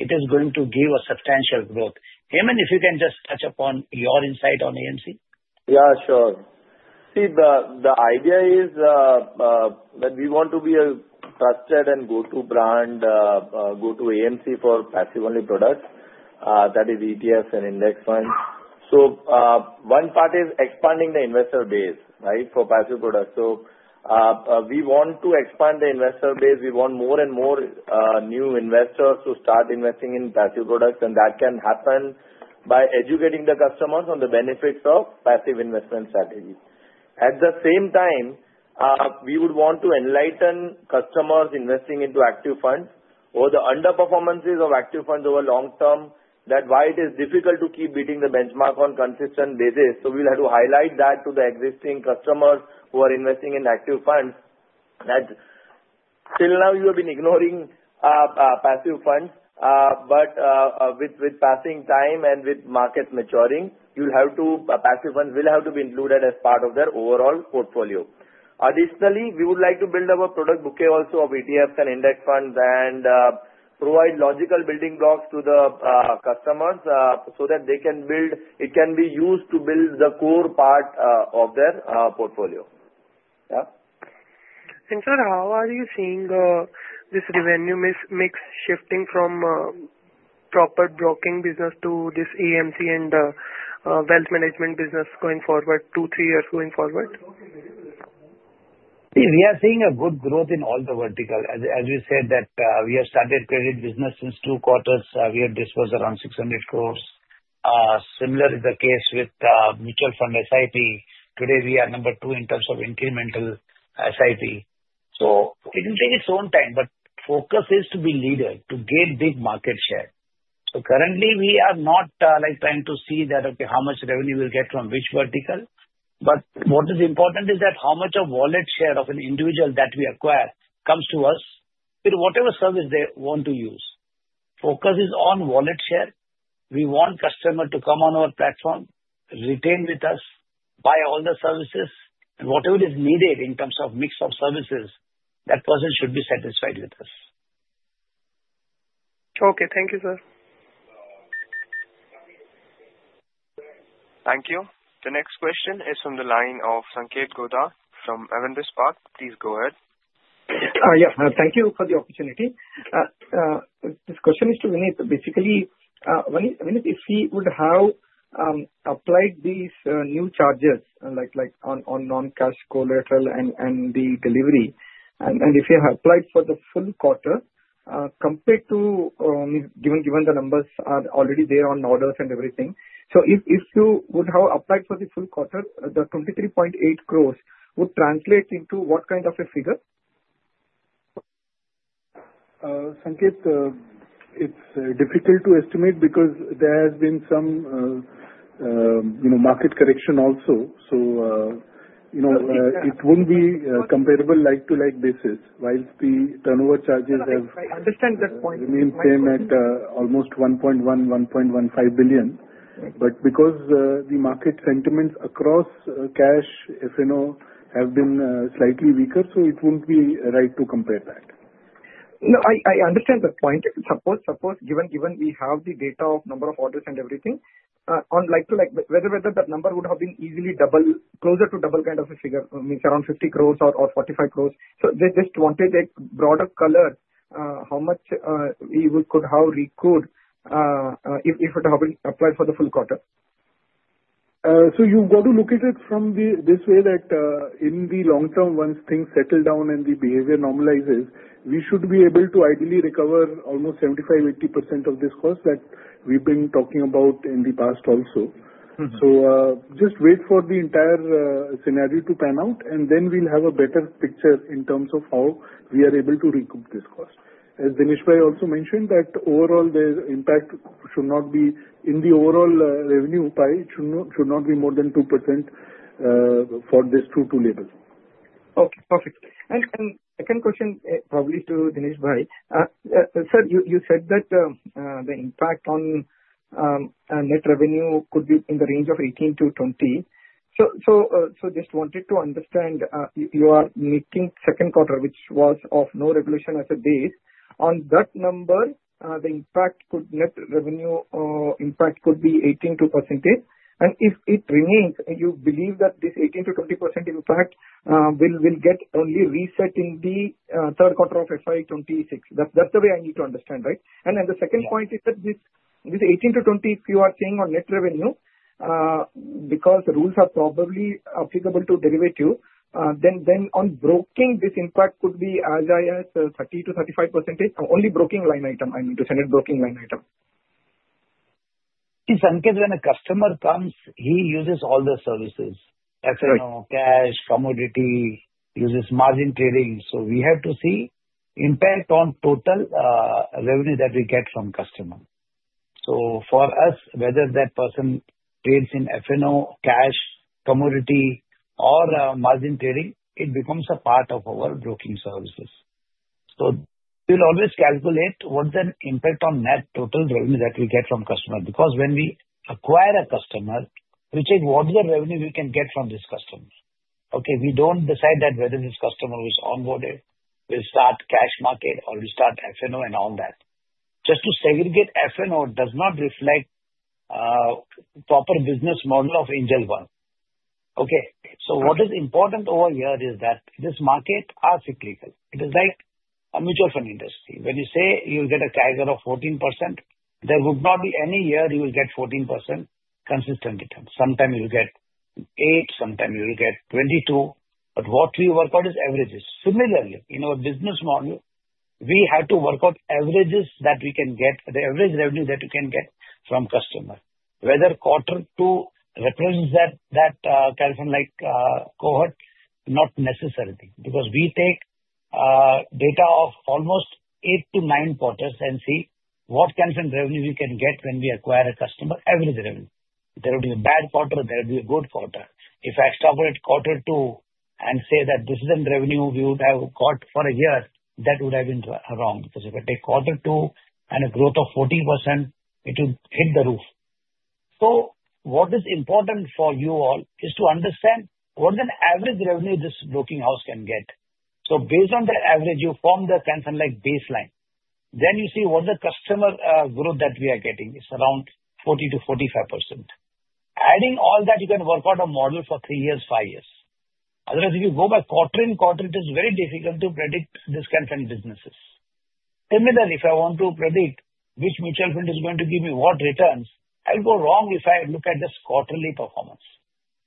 it is going to give a substantial growth. Hemen, if you can just touch upon your insight on AMC? Yeah, sure. See, the idea is that we want to be a trusted and go-to brand, go-to AMC for passive-only products. That is ETFs and index funds. So one part is expanding the investor base, right, for passive products. So we want to expand the investor base. We want more and more new investors to start investing in passive products. And that can happen by educating the customers on the benefits of passive investment strategy. At the same time, we would want to enlighten customers investing into active funds or the underperformances of active funds over long term, that why it is difficult to keep beating the benchmark on a consistent basis. So we'll have to highlight that to the existing customers who are investing in active funds that till now you have been ignoring passive funds. But with passing time and with markets maturing, you'll have to passive funds will have to be included as part of their overall portfolio. Additionally, we would like to build our product bouquet also of ETFs and index funds and provide logical building blocks to the customers so that they can build. It can be used to build the core part of their portfolio. Yeah? In fact, how are you seeing this revenue mix shifting from proper broking business to this AMC and Wealth Management business going forward, two, three years going forward? See, we are seeing a good growth in all the verticals. As you said, that we have started credit business since two quarters. We had this was around 600 crores. Similar is the case with mutual fund SIP. Today, we are number two in terms of incremental SIP. So it will take its own time. But focus is to be leader, to gain big market share. So currently, we are not trying to see that, okay, how much revenue we'll get from which vertical. But what is important is that how much of wallet share of an individual that we acquire comes to us with whatever service they want to use. Focus is on wallet share. We want customer to come on our platform, retain with us, buy all the services. And whatever is needed in terms of mix of services, that person should be satisfied with us. Okay. Thank you, sir. Thank you. The next question is from the line of Sanketh Godha from Avendus Spark. Please go ahead. Yeah. Thank you for the opportunity. This question is to Vineet. Basically, Vineet, if we would have applied these new charges on non-cash collateral and the delivery, and if you have applied for the full quarter compared to given the numbers are already there on orders and everything, so if you would have applied for the full quarter, the 23.8 crores would translate into what kind of a figure? Sanketh, it's difficult to estimate because there has been some market correction also. So it wouldn't be comparable like-to-like basis while the turnover charges have. I understand that point. Remained the same at almost 1.1-1.15 billion. But because the market sentiments across cash, F&O have been slightly weaker, so it wouldn't be right to compare that. No, I understand that point. Suppose given we have the data of number of orders and everything on like-to-like, whether that number would have been easily double, closer to double kind of a figure, means around 50 crores or 45 crores. So they just wanted a broader color, how much we could have recouped if it had been applied for the full quarter. You've got to look at it from this way that in the long term, once things settle down and the behavior normalizes, we should be able to ideally recover almost 75%-80% of this cost that we've been talking about in the past also. Just wait for the entire scenario to pan out, and then we'll have a better picture in terms of how we are able to recoup this cost. As Dineshbhai also mentioned, that overall, the impact should not be in the overall revenue pie, it should not be more than 2% for this true-to-label. Okay. Perfect. And second question, probably to Dineshbhai. Sir, you said that the impact on net revenue could be in the range of 18%-20%. So just wanted to understand, you are making second quarter, which was of no regulation as a base. On that number, the impact could net revenue impact could be 18%-2%. And if it remains, you believe that this 18%-20% impact will get only reset in the third quarter of FY 26. That's the way I need to understand, right? And then the second point is that this 18%-20%, if you are seeing on net revenue, because the rules are probably applicable to derivative, then on broking, this impact could be as high as 30%-35%, only broking line item, I mean, to send it broking line item. See, Sanketh, when a customer comes, he uses all the services, F&O, cash, commodity, uses margin trading. So we have to see impact on total revenue that we get from customer. So for us, whether that person trades in F&O, cash, commodity, or margin trading, it becomes a part of our broking services. So we'll always calculate what's the impact on net total revenue that we get from customer. Because when we acquire a customer, we check what's the revenue we can get from this customer. Okay. We don't decide that whether this customer was onboarded, we'll start cash market, or we'll start F&O and all that. Just to segregate F&O does not reflect proper business model of Angel One. Okay. So what is important over here is that this market is cyclical. It is like a mutual fund industry. When you say you'll get a CAGR of 14%, there would not be any year you will get 14% consistent return. Sometimes you'll get eight, sometimes you'll get 22. But what we work out is averages. Similarly, in our business model, we have to work out averages that we can get, the average revenue that we can get from customer. Whether quarter two represents that kind of like cohort, not necessarily. Because we take data of almost eight to nine quarters and see what kind of revenue we can get when we acquire a customer, average revenue. There would be a bad quarter, there would be a good quarter. If I extrapolate quarter two and say that this is the revenue we would have got for a year, that would have been wrong. Because if I take quarter two and a growth of 14%, it would hit the roof. So what is important for you all is to understand what's the average revenue this broking house can get. So based on the average, you form the kind of like baseline. Then you see what's the customer growth that we are getting is around 40%-45%. Adding all that, you can work out a model for three years, five years. Otherwise, if you go by quarter and quarter, it is very difficult to predict these kinds of businesses. Similarly, if I want to predict which mutual fund is going to give me what returns, I'll go wrong if I look at this quarterly performance.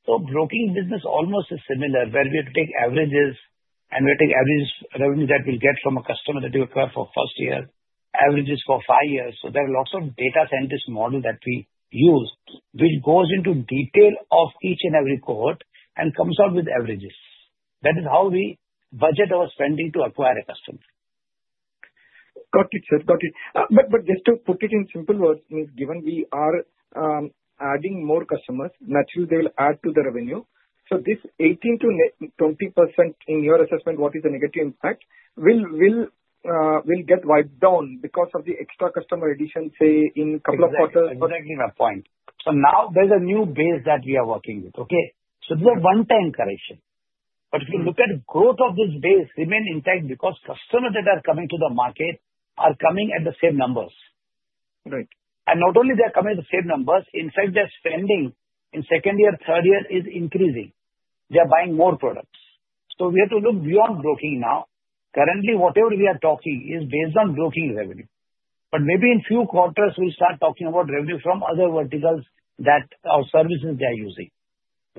So broking business almost is similar where we have to take averages and we have to take average revenue that we'll get from a customer that we acquire for first year, averages for five years. There are lots of data scientist models that we use, which goes into detail of each and every cohort and comes out with averages. That is how we budget our spending to acquire a customer. Got it, sir. Got it. But just to put it in simple words, given we are adding more customers, naturally, they will add to the revenue. So this 18%-20% in your assessment, what is the negative impact? Will get wiped down because of the extra customer addition, say, in a couple of quarters? Absolutely my point. So now there's a new base that we are working with, okay? So this is a one-time correction. But if you look at the growth of this base, remains intact because customers that are coming to the market are coming at the same numbers. And not only they are coming at the same numbers, in fact, their spending in second year, third year is increasing. They are buying more products. So we have to look beyond broking now. Currently, whatever we are talking is based on broking revenue. But maybe in a few quarters, we'll start talking about revenue from other verticals that are services they are using.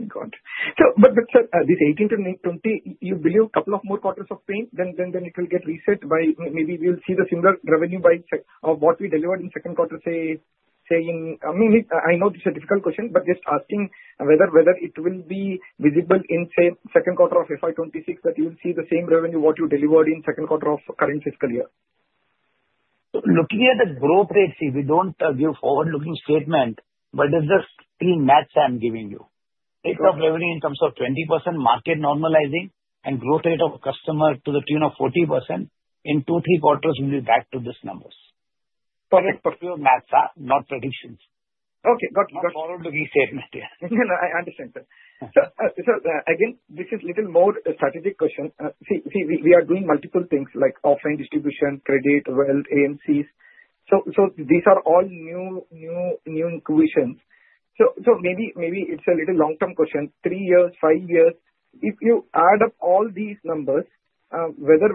Got it. But sir, this 18-20, you believe a couple of more quarters of pain, then it will get reset by maybe we'll see the similar revenue by what we delivered in second quarter, say in. I mean, I know this is a difficult question, but just asking whether it will be visible in, say, second quarter of FY 2026 that you will see the same revenue what you delivered in second quarter of current fiscal year. Looking at the growth rate, see, we don't give forward-looking statement, but it's just three math I'm giving you. Rate of revenue in terms of 20%, market normalizing, and growth rate of customer to the tune of 40% in two, three quarters will be back to these numbers. Correct. Pure math, not predictions. Okay. Got it. Got it. Follow the statement. I understand, sir. So again, this is a little more strategic question. See, we are doing multiple things like offline distribution, credit, wealth, AMCs. So these are all new initiatives. So maybe it's a little long-term question, three years, five years. If you add up all these numbers, whether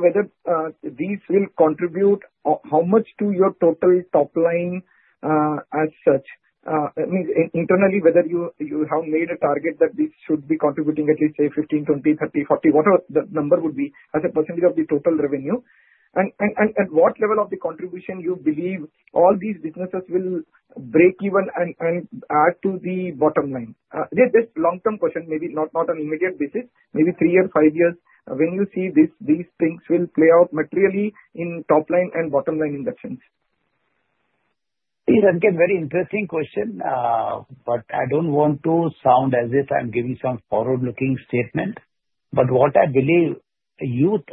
these will contribute how much to your total top line as such, means internally, whether you have made a target that this should be contributing at least, say, 15%, 20%, 30%, 40%, whatever the number would be as a percentage of the total revenue. And what level of the contribution you believe all these businesses will break even and add to the bottom line? This long-term question, maybe not on immediate basis, maybe three years, five years, when you see these things will play out materially in top line and bottom line incomings. See, Sanketh, very interesting question, but I don't want to sound as if I'm giving some forward-looking statement, but what I believe, youth,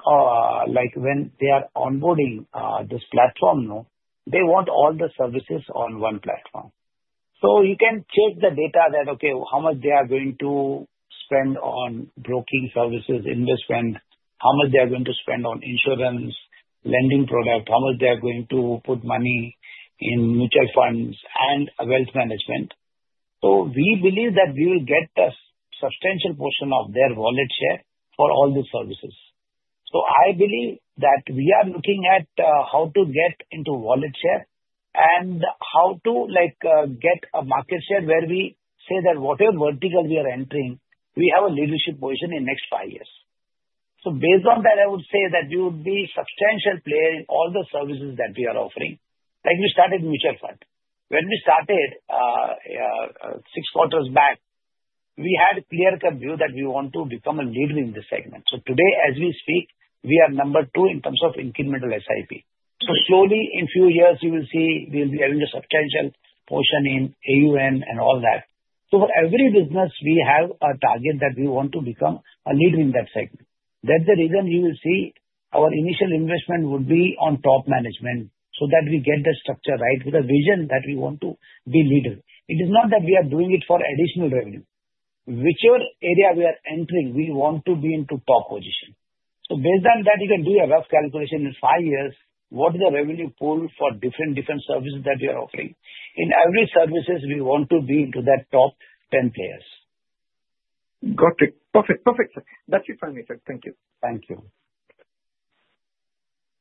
when they are onboarding this platform, they want all the services on one platform, so you can check the data that, okay, how much they are going to spend on broking services, investment, how much they are going to spend on insurance, lending product, how much they are going to put money in mutual funds and wealth management, so we believe that we will get a substantial portion of their wallet share for all these services, so I believe that we are looking at how to get into wallet share and how to get a market share where we say that whatever vertical we are entering, we have a leadership position in the next five years. So based on that, I would say that we would be a substantial player in all the services that we are offering. Like we started mutual fund. When we started six quarters back, we had a clear-cut view that we want to become a leader in this segment. So today, as we speak, we are number two in terms of incremental SIP. So slowly, in a few years, you will see we'll be having a substantial portion in AUM and all that. So for every business, we have a target that we want to become a leader in that segment. That's the reason you will see our initial investment would be on top management so that we get the structure right with a vision that we want to be leaders. It is not that we are doing it for additional revenue. Whichever area we are entering, we want to be in the top position. So based on that, you can do a rough calculation in five years, what is the revenue pool for different services that we are offering. In every services, we want to be into that top 10 players. Got it. Perfect. Perfect, sir. That's it for me, sir. Thank you. Thank you.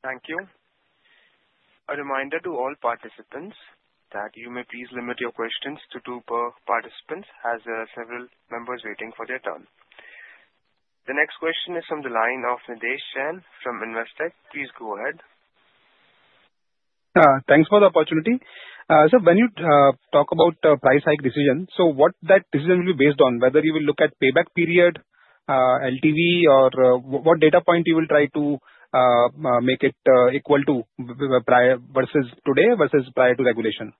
Thank you. A reminder to all participants that you may please limit your questions to two per participant as several members are waiting for their turn. The next question is from the line of Nitesh Jain from Investec. Please go ahead. Thanks for the opportunity. So when you talk about price hike decision, so what that decision will be based on? Whether you will look at payback period, LTV, or what data point you will try to make it equal to versus today versus prior to regulation?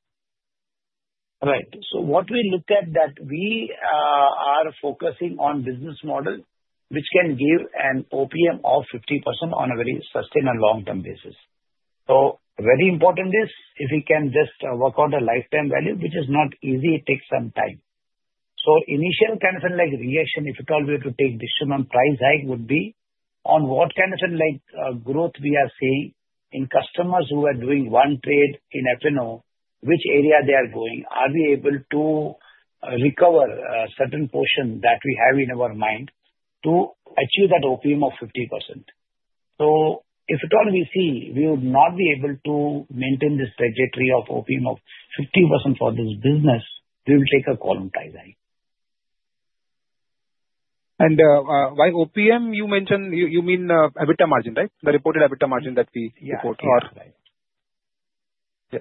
Right. So what we look at that we are focusing on business model which can give an OPM of 50% on a very sustained and long-term basis. So very important is if we can just work out a lifetime value, which is not easy. It takes some time. So initial kind of reaction, if at all, we have to take decision on price hike would be on what kind of growth we are seeing in customers who are doing one trade in F&O, which area they are going, are we able to recover a certain portion that we have in our mind to achieve that OPM of 50%. So if at all we see we would not be able to maintain this trajectory of OPM of 50% for this business, we will take a quarter time hike. And by OPM, you mentioned you mean EBITDA margin, right? The reported EBITDA margin that we report. Yeah.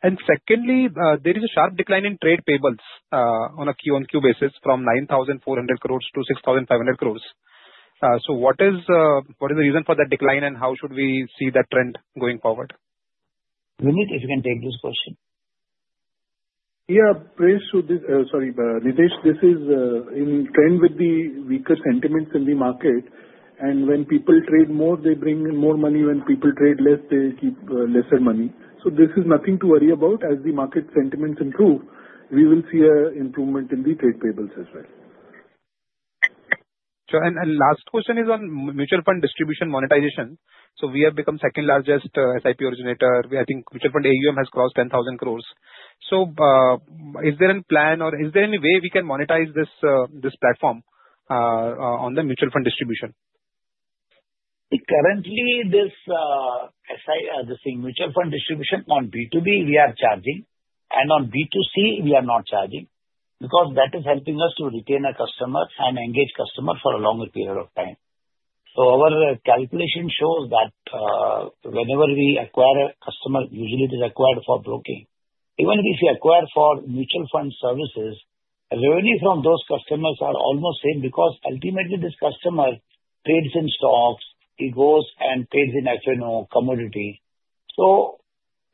Secondly, there is a sharp decline in trade payables on a Q on Q basis from 9,400 crores to 6,500 crores. So what is the reason for that decline and how should we see that trend going forward? Dinesh, if you can take this question. Yeah. Sorry, Nitesh, this is in trend with the weaker sentiments in the market. And when people trade more, they bring in more money. When people trade less, they keep lesser money. So this is nothing to worry about. As the market sentiments improve, we will see an improvement in the trade payables as well. Sure. And last question is on mutual fund distribution monetization. So we have become second largest SIP originator. I think mutual fund AUM has crossed 10,000 crores. So is there a plan or is there any way we can monetize this platform on the mutual fund distribution? Currently, this mutual fund distribution on B2B, we are charging. And on B2C, we are not charging because that is helping us to retain a customer and engage customer for a longer period of time. So our calculation shows that whenever we acquire a customer, usually it is acquired for broking. Even if we acquire for mutual fund services, revenue from those customers are almost the same because ultimately this customer trades in stocks, he goes and trades in F&O, commodity. So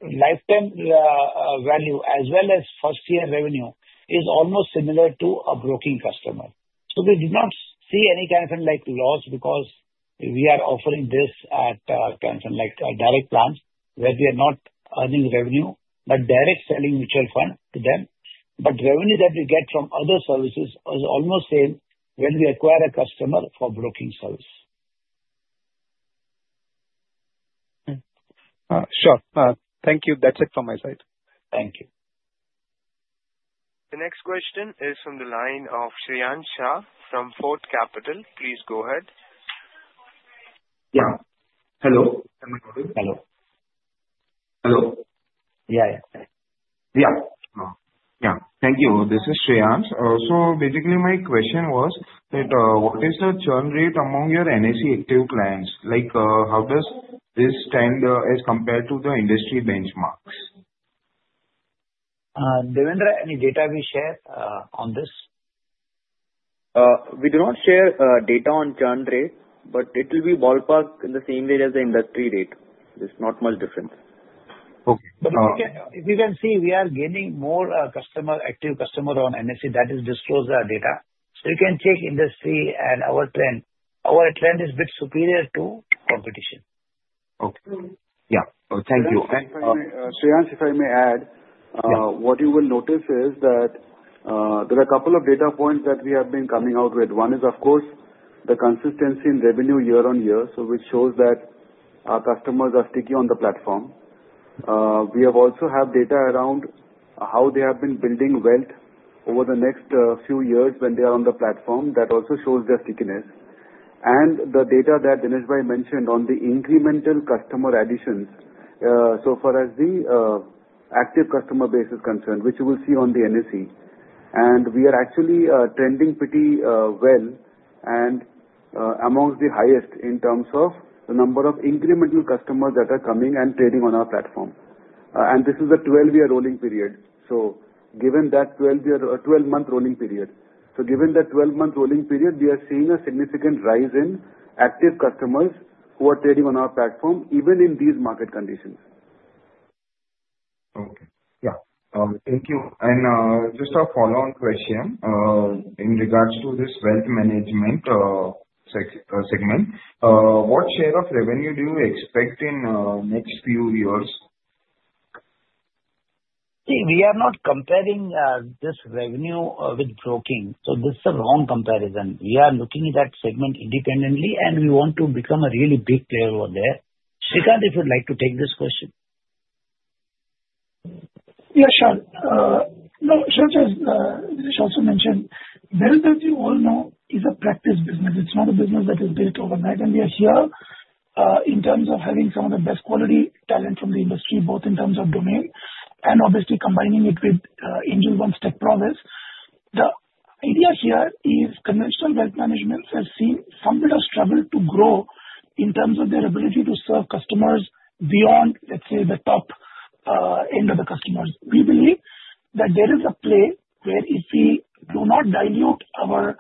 lifetime value as well as first-year revenue is almost similar to a broking customer. So we did not see any kind of loss because we are offering this at kind of like direct plans where we are not earning revenue, but direct selling mutual fund to them. But revenue that we get from other services is almost the same when we acquire a customer for broking service. Sure. Thank you. That's it from my side. Thank you. The next question is from the line of Shreyansh Shah from Fort Capital. Please go ahead. Yeah. Hello. Hello. Yeah. Yeah. Yeah. Thank you. This is. So basically, my question was that what is the churn rate among your NSE active clients? How does this stand as compared to the industry benchmarks? Devender, any data we share on this? We do not share data on churn rate, but it will be ballpark in the same rate as the industry rate. There's not much difference. Okay. But if you can see, we are gaining more active customers on NSE. That is disclosed data. So you can check industry and our trend. Our trend is a bit superior to competition. Okay. Yeah. Thank you. And Shreyansh, if I may add, what you will notice is that there are a couple of data points that we have been coming out with. One is, of course, the consistency in revenue year on year, which shows that our customers are sticky on the platform. We have also had data around how they have been building wealth over the next few years when they are on the platform. That also shows their stickiness. And the data that Dineshbhai mentioned on the incremental customer additions, so far as the active customer base is concerned, which you will see on the NSE. And we are actually trending pretty well and amongst the highest in terms of the number of incremental customers that are coming and trading on our platform. And this is a 12-year rolling period. So given that 12-month rolling period, we are seeing a significant rise in active customers who are trading on our platform, even in these market conditions. Okay. Yeah. Thank you. And just a follow-on question in regards to this wealth management segment. What share of revenue do you expect in the next few years? See, we are not comparing this revenue with broking. So this is a wrong comparison. We are looking at that segment independently, and we want to become a really big player over there. Srikanth, if you'd like to take this question. Yeah, sure. No, Shreyansh, as Dinesh also mentioned, wealth, as you all know, is a practice business. It's not a business that is built overnight, and we are here in terms of having some of the best quality talent from the industry, both in terms of domain and obviously combining it with Angel One's tech process. The idea here is conventional wealth management has seen some bit of struggle to grow in terms of their ability to serve customers beyond, let's say, the top end of the customers. We believe that there is a play where if we do not dilute our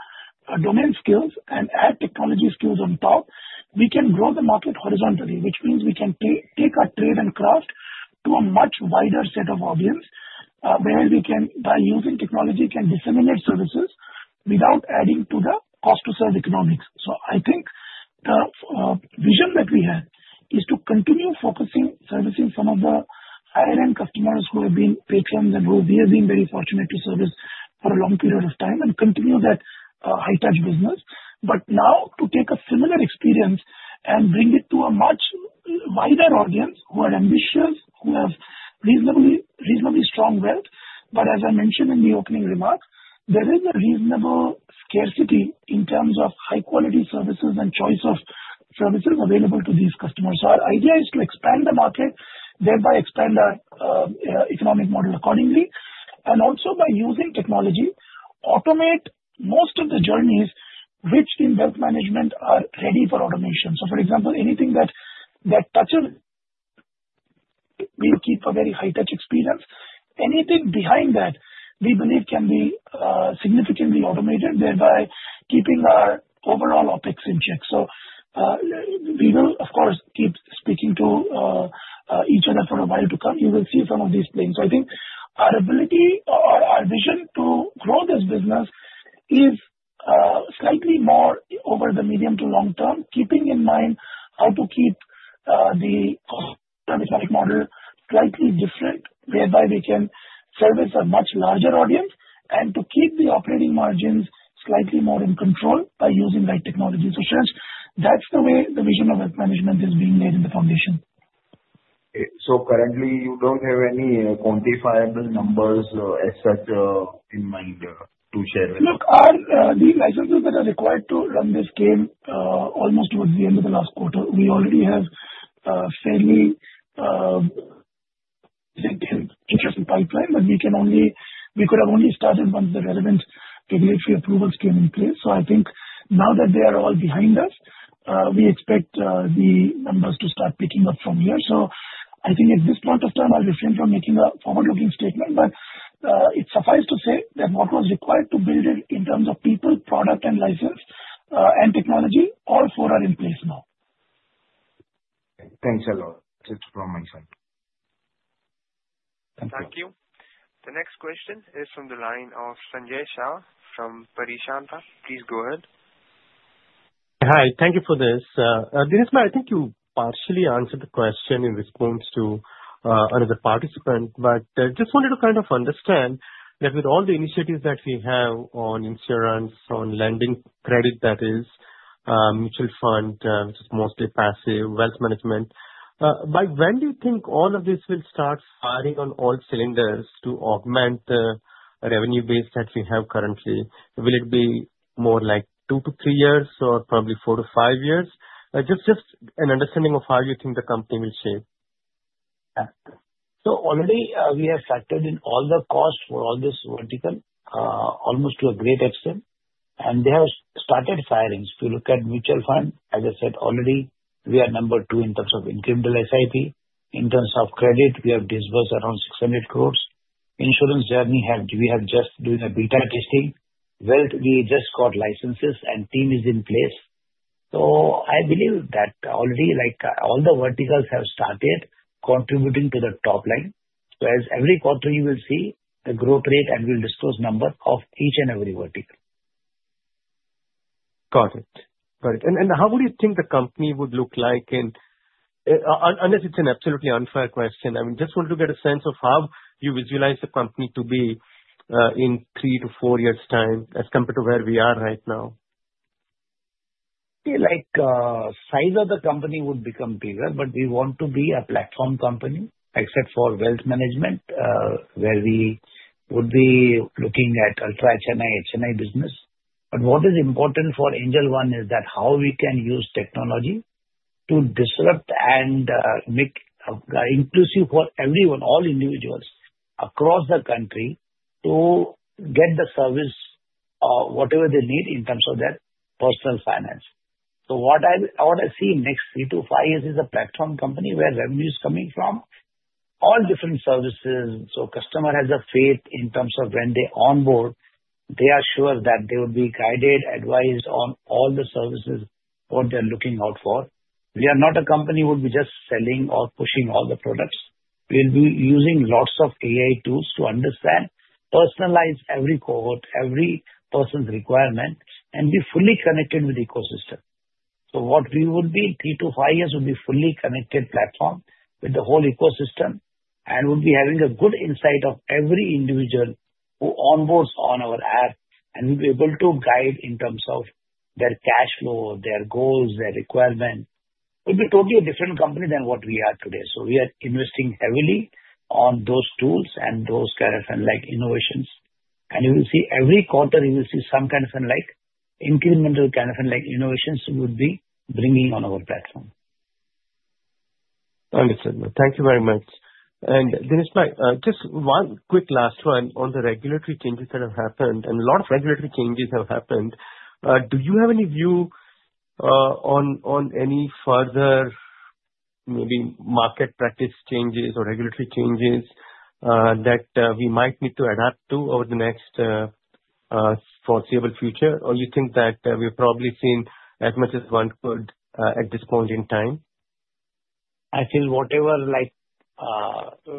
domain skills and add technology skills on top, we can grow the market horizontally, which means we can take our trade and craft to a much wider set of audience where we can, by using technology, disseminate services without adding to the cost-to-serve economics. I think the vision that we have is to continue focusing on servicing some of the higher-end customers who have been patrons and who we have been very fortunate to service for a long period of time and continue that high-touch business. But now to take a similar experience and bring it to a much wider audience who are ambitious, who have reasonably strong wealth. But as I mentioned in the opening remarks, there is a reasonable scarcity in terms of high-quality services and choice of services available to these customers. So our idea is to expand the market, thereby expand our economic model accordingly, and also by using technology, automate most of the journeys which in wealth management are ready for automation. So for example, anything that touches will keep a very high-touch experience. Anything behind that, we believe, can be significantly automated, thereby keeping our overall OpEx in check. So we will, of course, keep speaking to each other for a while to come. You will see some of these things. So I think our ability or our vision to grow this business is slightly more over the medium to long term, keeping in mind how to keep the economic model slightly different, whereby we can service a much larger audience and to keep the operating margins slightly more in control by using right technology. So Shreyans, that's the way the vision of wealth management is being laid in the foundation. So currently, you don't have any quantifiable numbers as such in mind to share with us? Look, the licenses that are required to run this came almost towards the end of the last quarter. We already have a fairly interesting pipeline, but we could have only started once the relevant regulatory approvals came in place. So I think now that they are all behind us, we expect the numbers to start picking up from here. So I think at this point of time, I'll refrain from making a forward-looking statement, but it suffices to say that what was required to build it in terms of people, product, and license, and technology, all four are in place now. Thanks a lot. That's it from my side. Thank you. The next question is from the line of Sanjay Shah from Ampersand Capital. Please go ahead. Hi. Thank you for this. Dineshbhai, I think you partially answered the question in response to another participant, but just wanted to kind of understand that with all the initiatives that we have on insurance, on lending credit, that is, mutual fund, which is mostly passive, wealth management, by when do you think all of this will start firing on all cylinders to augment the revenue base that we have currently? Will it be more like two to three years or probably four to five years? Just an understanding of how you think the company will shape. So already, we have factored in all the costs for all this vertical almost to a great extent. And they have started firing. If you look at mutual fund, as I said, already, we are number two in terms of incremental SIP. In terms of credit, we have disbursed around 600 crores. Insurance journey, we are just doing a beta testing. Wealth, we just got licenses and team is in place. So I believe that already all the verticals have started contributing to the top line. So as every quarter, you will see the growth rate and we'll disclose numbers of each and every vertical. Got it. Got it. And how would you think the company would look like in, unless it's an absolutely unfair question, I mean, just want to get a sense of how you visualize the company to be in three to four years' time as compared to where we are right now. The size of the company would become bigger, but we want to be a platform company except for wealth management where we would be looking at ultra HMI, HMI business. But what is important for Angel One is that how we can use technology to disrupt and make inclusive for everyone, all individuals across the country to get the service of whatever they need in terms of their personal finance. So what I see next three to five years is a platform company where revenue is coming from all different services. So customer has a faith in terms of when they onboard, they are sure that they will be guided, advised on all the services what they're looking out for. We are not a company who will be just selling or pushing all the products. We'll be using lots of AI tools to understand, personalize every cohort, every person's requirement, and be fully connected with the ecosystem. So what we will be in three to five years would be a fully connected platform with the whole ecosystem and would be having a good insight of every individual who onboards on our app and will be able to guide in terms of their cash flow, their goals, their requirements. It would be totally a different company than what we are today. So we are investing heavily on those tools and those kind of innovations. And you will see every quarter, you will see some kind of incremental kind of innovations would be bringing on our platform. Understood. Thank you very much. And Dineshbhai, just one quick last one on the regulatory changes that have happened and a lot of regulatory changes have happened. Do you have any view on any further maybe market practice changes or regulatory changes that we might need to adapt to over the next foreseeable future, or you think that we've probably seen as much as one could at this point in time? I feel whatever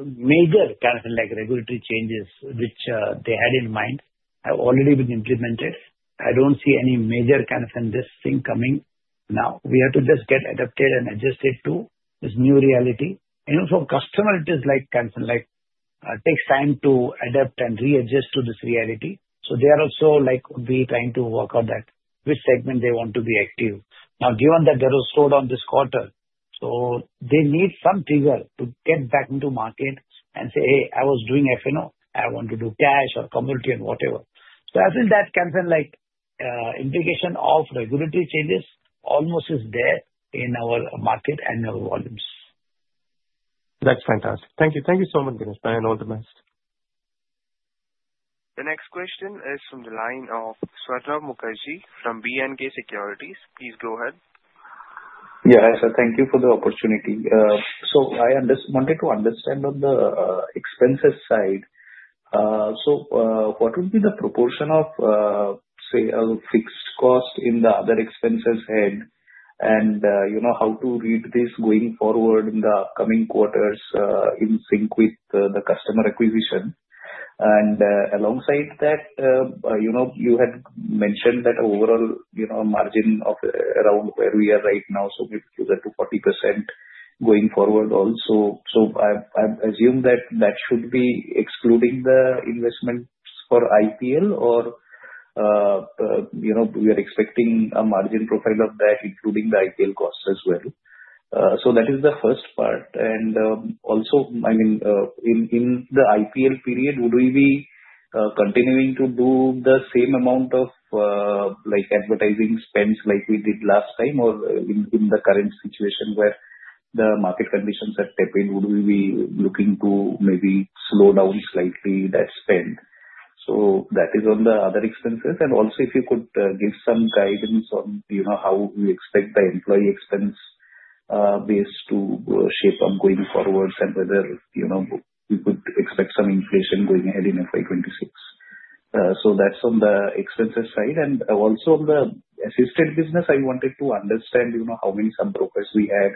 major kind of regulatory changes which they had in mind have already been implemented. I don't see any major kind of this thing coming now. We have to just get adapted and adjusted to this new reality. And for customers, it is like takes time to adapt and readjust to this reality. So they are also trying to work out which segment they want to be active. Now, given that they were sold on this quarter, so they need some trigger to get back into market and say, "Hey, I was doing F&O. I want to do cash or commodity or whatever." So I feel that kind of implication of regulatory changes almost is there in our market and our volumes. That's fantastic. Thank you. Thank you so much, Dineshbhai, and all the best. The next question is from the line of Swarnabha Mukherjee from B&K Securities. Please go ahead. Yeah. So thank you for the opportunity. So I wanted to understand on the expenses side. So what would be the proportion of, say, fixed cost in the other expenses head and how to read this going forward in the upcoming quarters in sync with the customer acquisition? And alongside that, you had mentioned that overall margin of around where we are right now, so maybe closer to 40% going forward also. So I assume that that should be excluding the investments for IPL, or we are expecting a margin profile of that, including the IPL costs as well. So that is the first part. And also, I mean, in the IPL period, would we be continuing to do the same amount of advertising spends like we did last time, or in the current situation where the market conditions have tapered, would we be looking to maybe slow down slightly that spend? So that is on the other expenses. And also, if you could give some guidance on how we expect the employee expense base to shape ongoing forward and whether we could expect some inflation going ahead in FY26. So that's on the expenses side. And also on the assisted business, I wanted to understand how many sub-brokers we had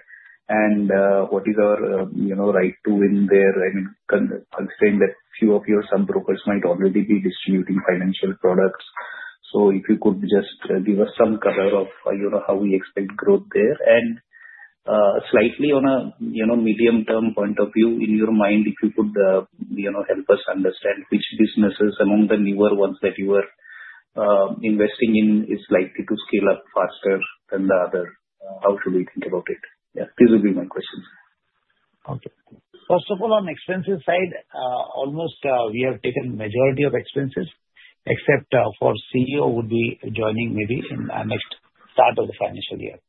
and what is our right to win there. I mean, considering that few of your sub-brokers might already be distributing financial products. So if you could just give us some color of how we expect growth there. Slightly on a medium-term point of view, in your mind, if you could help us understand which businesses among the newer ones that you are investing in is likely to scale up faster than the other, how should we think about it? Yeah. These would be my questions. Okay. First of all, on expenses side, almost we have taken majority of expenses except for CEO would be joining maybe in the next start of the financial year.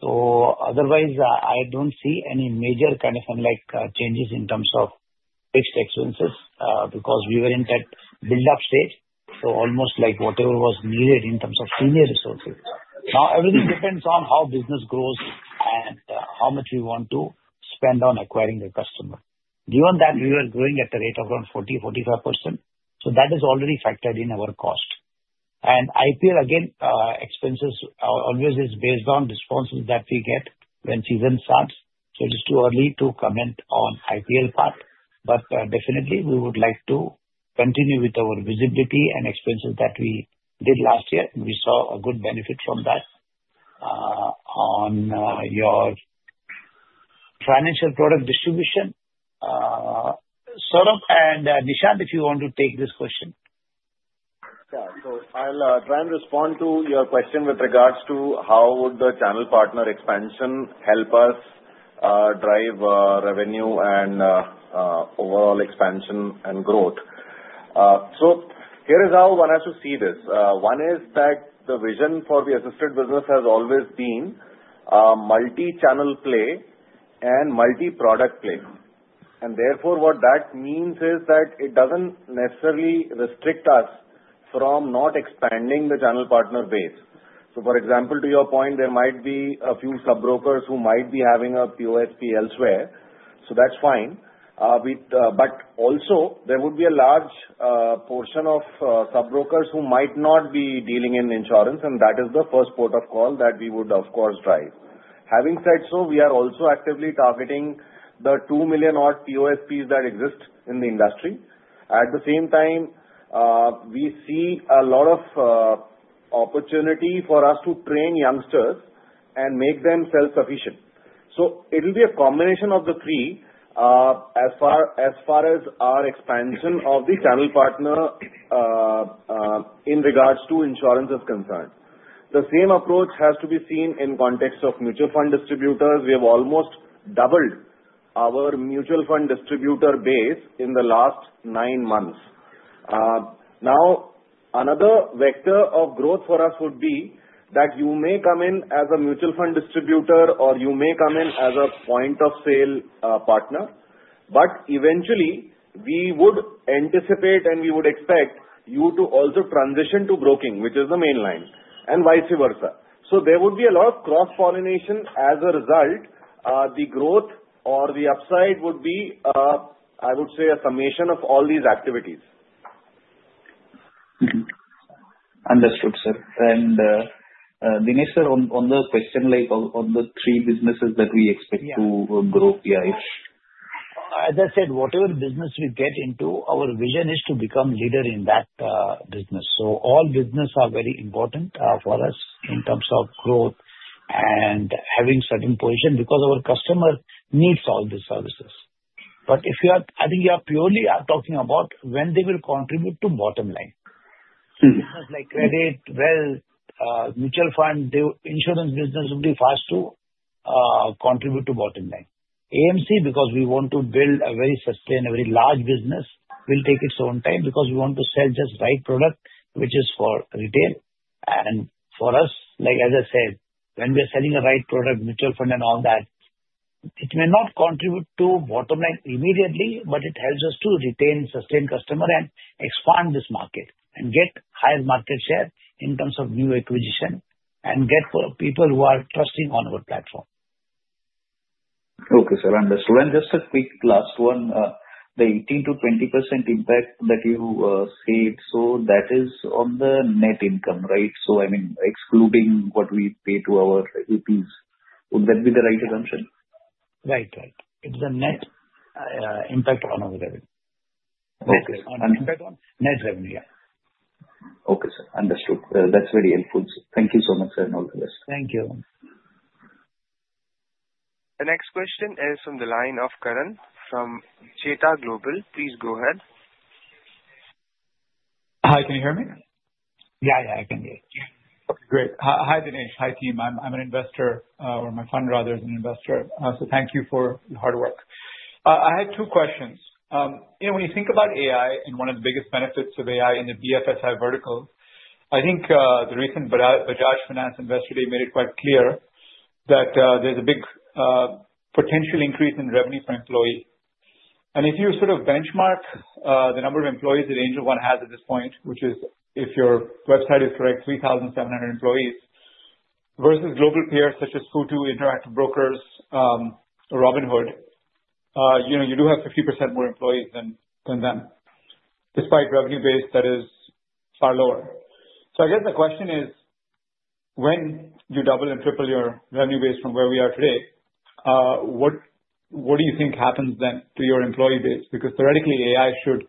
So otherwise, I don't see any major kind of changes in terms of fixed expenses because we were in that build-up stage. So almost like whatever was needed in terms of senior resources. Now, everything depends on how business grows and how much we want to spend on acquiring the customer. Given that we were growing at a rate of around 40%-45%, so that is already factored in our cost. And IPL, again, expenses always is based on responses that we get when season starts. So it is too early to comment on IPL part, but definitely, we would like to continue with our visibility and expenses that we did last year. We saw a good benefit from that on your financial product distribution. Swarnabha and Nishant, if you want to take this question. Yeah. So I'll try and respond to your question with regards to how would the channel partner expansion help us drive revenue and overall expansion and growth. So here is how one has to see this. One is that the vision for the assisted business has always been multi-channel play and multi-product play. And therefore, what that means is that it doesn't necessarily restrict us from not expanding the channel partner base. So for example, to your point, there might be a few sub-brokers who might be having a POSP elsewhere. So that's fine. But also, there would be a large portion of sub-brokers who might not be dealing in insurance, and that is the first port of call that we would, of course, drive. Having said so, we are also actively targeting the two million-odd POSPs that exist in the industry. At the same time, we see a lot of opportunity for us to train youngsters and make them self-sufficient. So it will be a combination of the three as far as our expansion of the channel partner in regards to insurance is concerned. The same approach has to be seen in context of mutual fund distributors. We have almost doubled our mutual fund distributor base in the last nine months. Now, another vector of growth for us would be that you may come in as a mutual fund distributor, or you may come in as a point-of-sale partner. But eventually, we would anticipate and we would expect you to also transition to broking, which is the main line, and vice versa. So there would be a lot of cross-pollination as a result. The growth or the upside would be, I would say, a summation of all these activities. Understood, sir. And Dinesh sir, on the question, on the three businesses that we expect to grow, yeah, if. As I said, whatever business we get into, our vision is to become leader in that business, so all business are very important for us in terms of growth and having certain position because our customer needs all these services, but I think you are purely talking about when they will contribute to bottom line. Business like credit, wealth, mutual fund, insurance business would be fast to contribute to bottom line. AMC, because we want to build a very sustainable, very large business, will take its own time because we want to sell just right product, which is for retail. For us, as I said, when we are selling a right product, mutual fund, and all that, it may not contribute to bottom line immediately, but it helps us to retain, sustain customer, and expand this market and get higher market share in terms of new acquisition and get people who are trusting on our platform. Okay, sir. Understood. And just a quick last one, the 18%-20% impact that you said, so that is on the net income, right? So I mean, excluding what we pay to our VPs. Would that be the right assumption? Right, right. It's the net impact on our revenue. Okay. Net revenue, yeah. Okay, sir. Understood. That's very helpful. Thank you so much, sir, and all the best. Thank you. The next question is from the line of Karan from Jetha Global. Please go ahead. Hi. Can you hear me? Yeah, yeah. I can hear you. Okay. Great. Hi, Dinesh. Hi, team. I'm an investor, or my fund, rather, is an investor. So thank you for your hard work. I had two questions. When you think about AI and one of the biggest benefits of AI in the BFSI vertical, I think the recent Bajaj Finance Investor Day made it quite clear that there's a big potential increase in revenue for employees. And if you sort of benchmark the number of employees that Angel One has at this point, which is, if your website is correct, 3,700 employees versus global peers such as Futu, Interactive Brokers, Robinhood, you do have 50% more employees than them, despite revenue base that is far lower. So I guess the question is, when you double and triple your revenue base from where we are today, what do you think happens then to your employee base? Because theoretically, AI should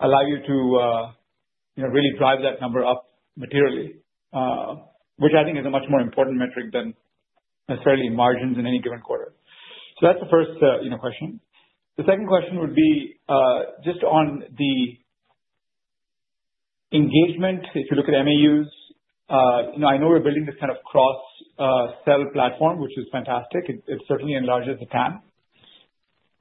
allow you to really drive that number up materially, which I think is a much more important metric than necessarily margins in any given quarter. So that's the first question. The second question would be just on the engagement. If you look at MAUs, I know we're building this kind of cross-sell platform, which is fantastic. It certainly enlarges the TAM.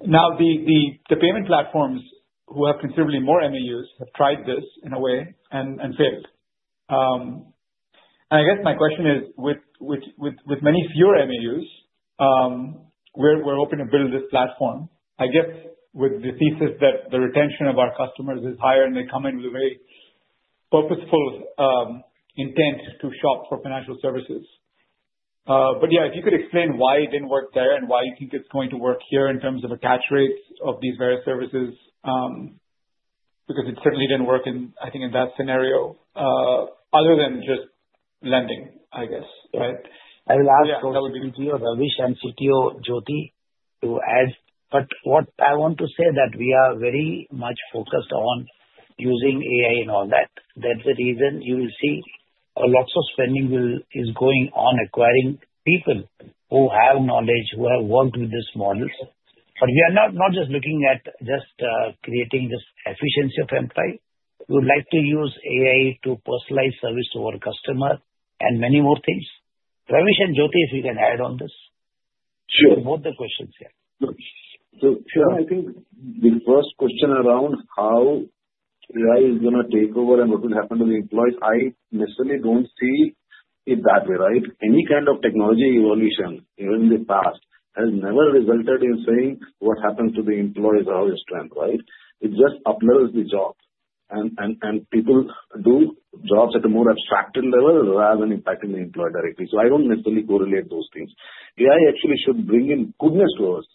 Now, the payment platforms who have considerably more MAUs have tried this in a way and failed. And I guess my question is, with many fewer MAUs, we're hoping to build this platform, I guess, with the thesis that the retention of our customers is higher and they come in with a very purposeful intent to shop for financial services. But yeah, if you could explain why it didn't work there and why you think it's going to work here in terms of attach rates of these various services, because it certainly didn't work, I think, in that scenario, other than just lending, I guess, right? I will ask our CTO, Ravish, and CTO Jyoti to add. But what I want to say is that we are very much focused on using AI and all that. That's the reason you will see lots of spending is going on acquiring people who have knowledge, who have worked with this model. But we are not just looking at just creating this efficiency of employees. We would like to use AI to personalize service to our customer and many more things. Ravish and Jyoti, if you can add on this. Sure. Both the questions, yeah. So I think the first question around how AI is going to take over and what will happen to the employees, I necessarily don't see it that way, right? Any kind of technology evolution, even in the past, has never resulted in saying what happens to the employees, how it's trend, right? It just uplevels the job. And people do jobs at a more abstracted level rather than impacting the employee directly. So I don't necessarily correlate those things. AI actually should bring in goodness to us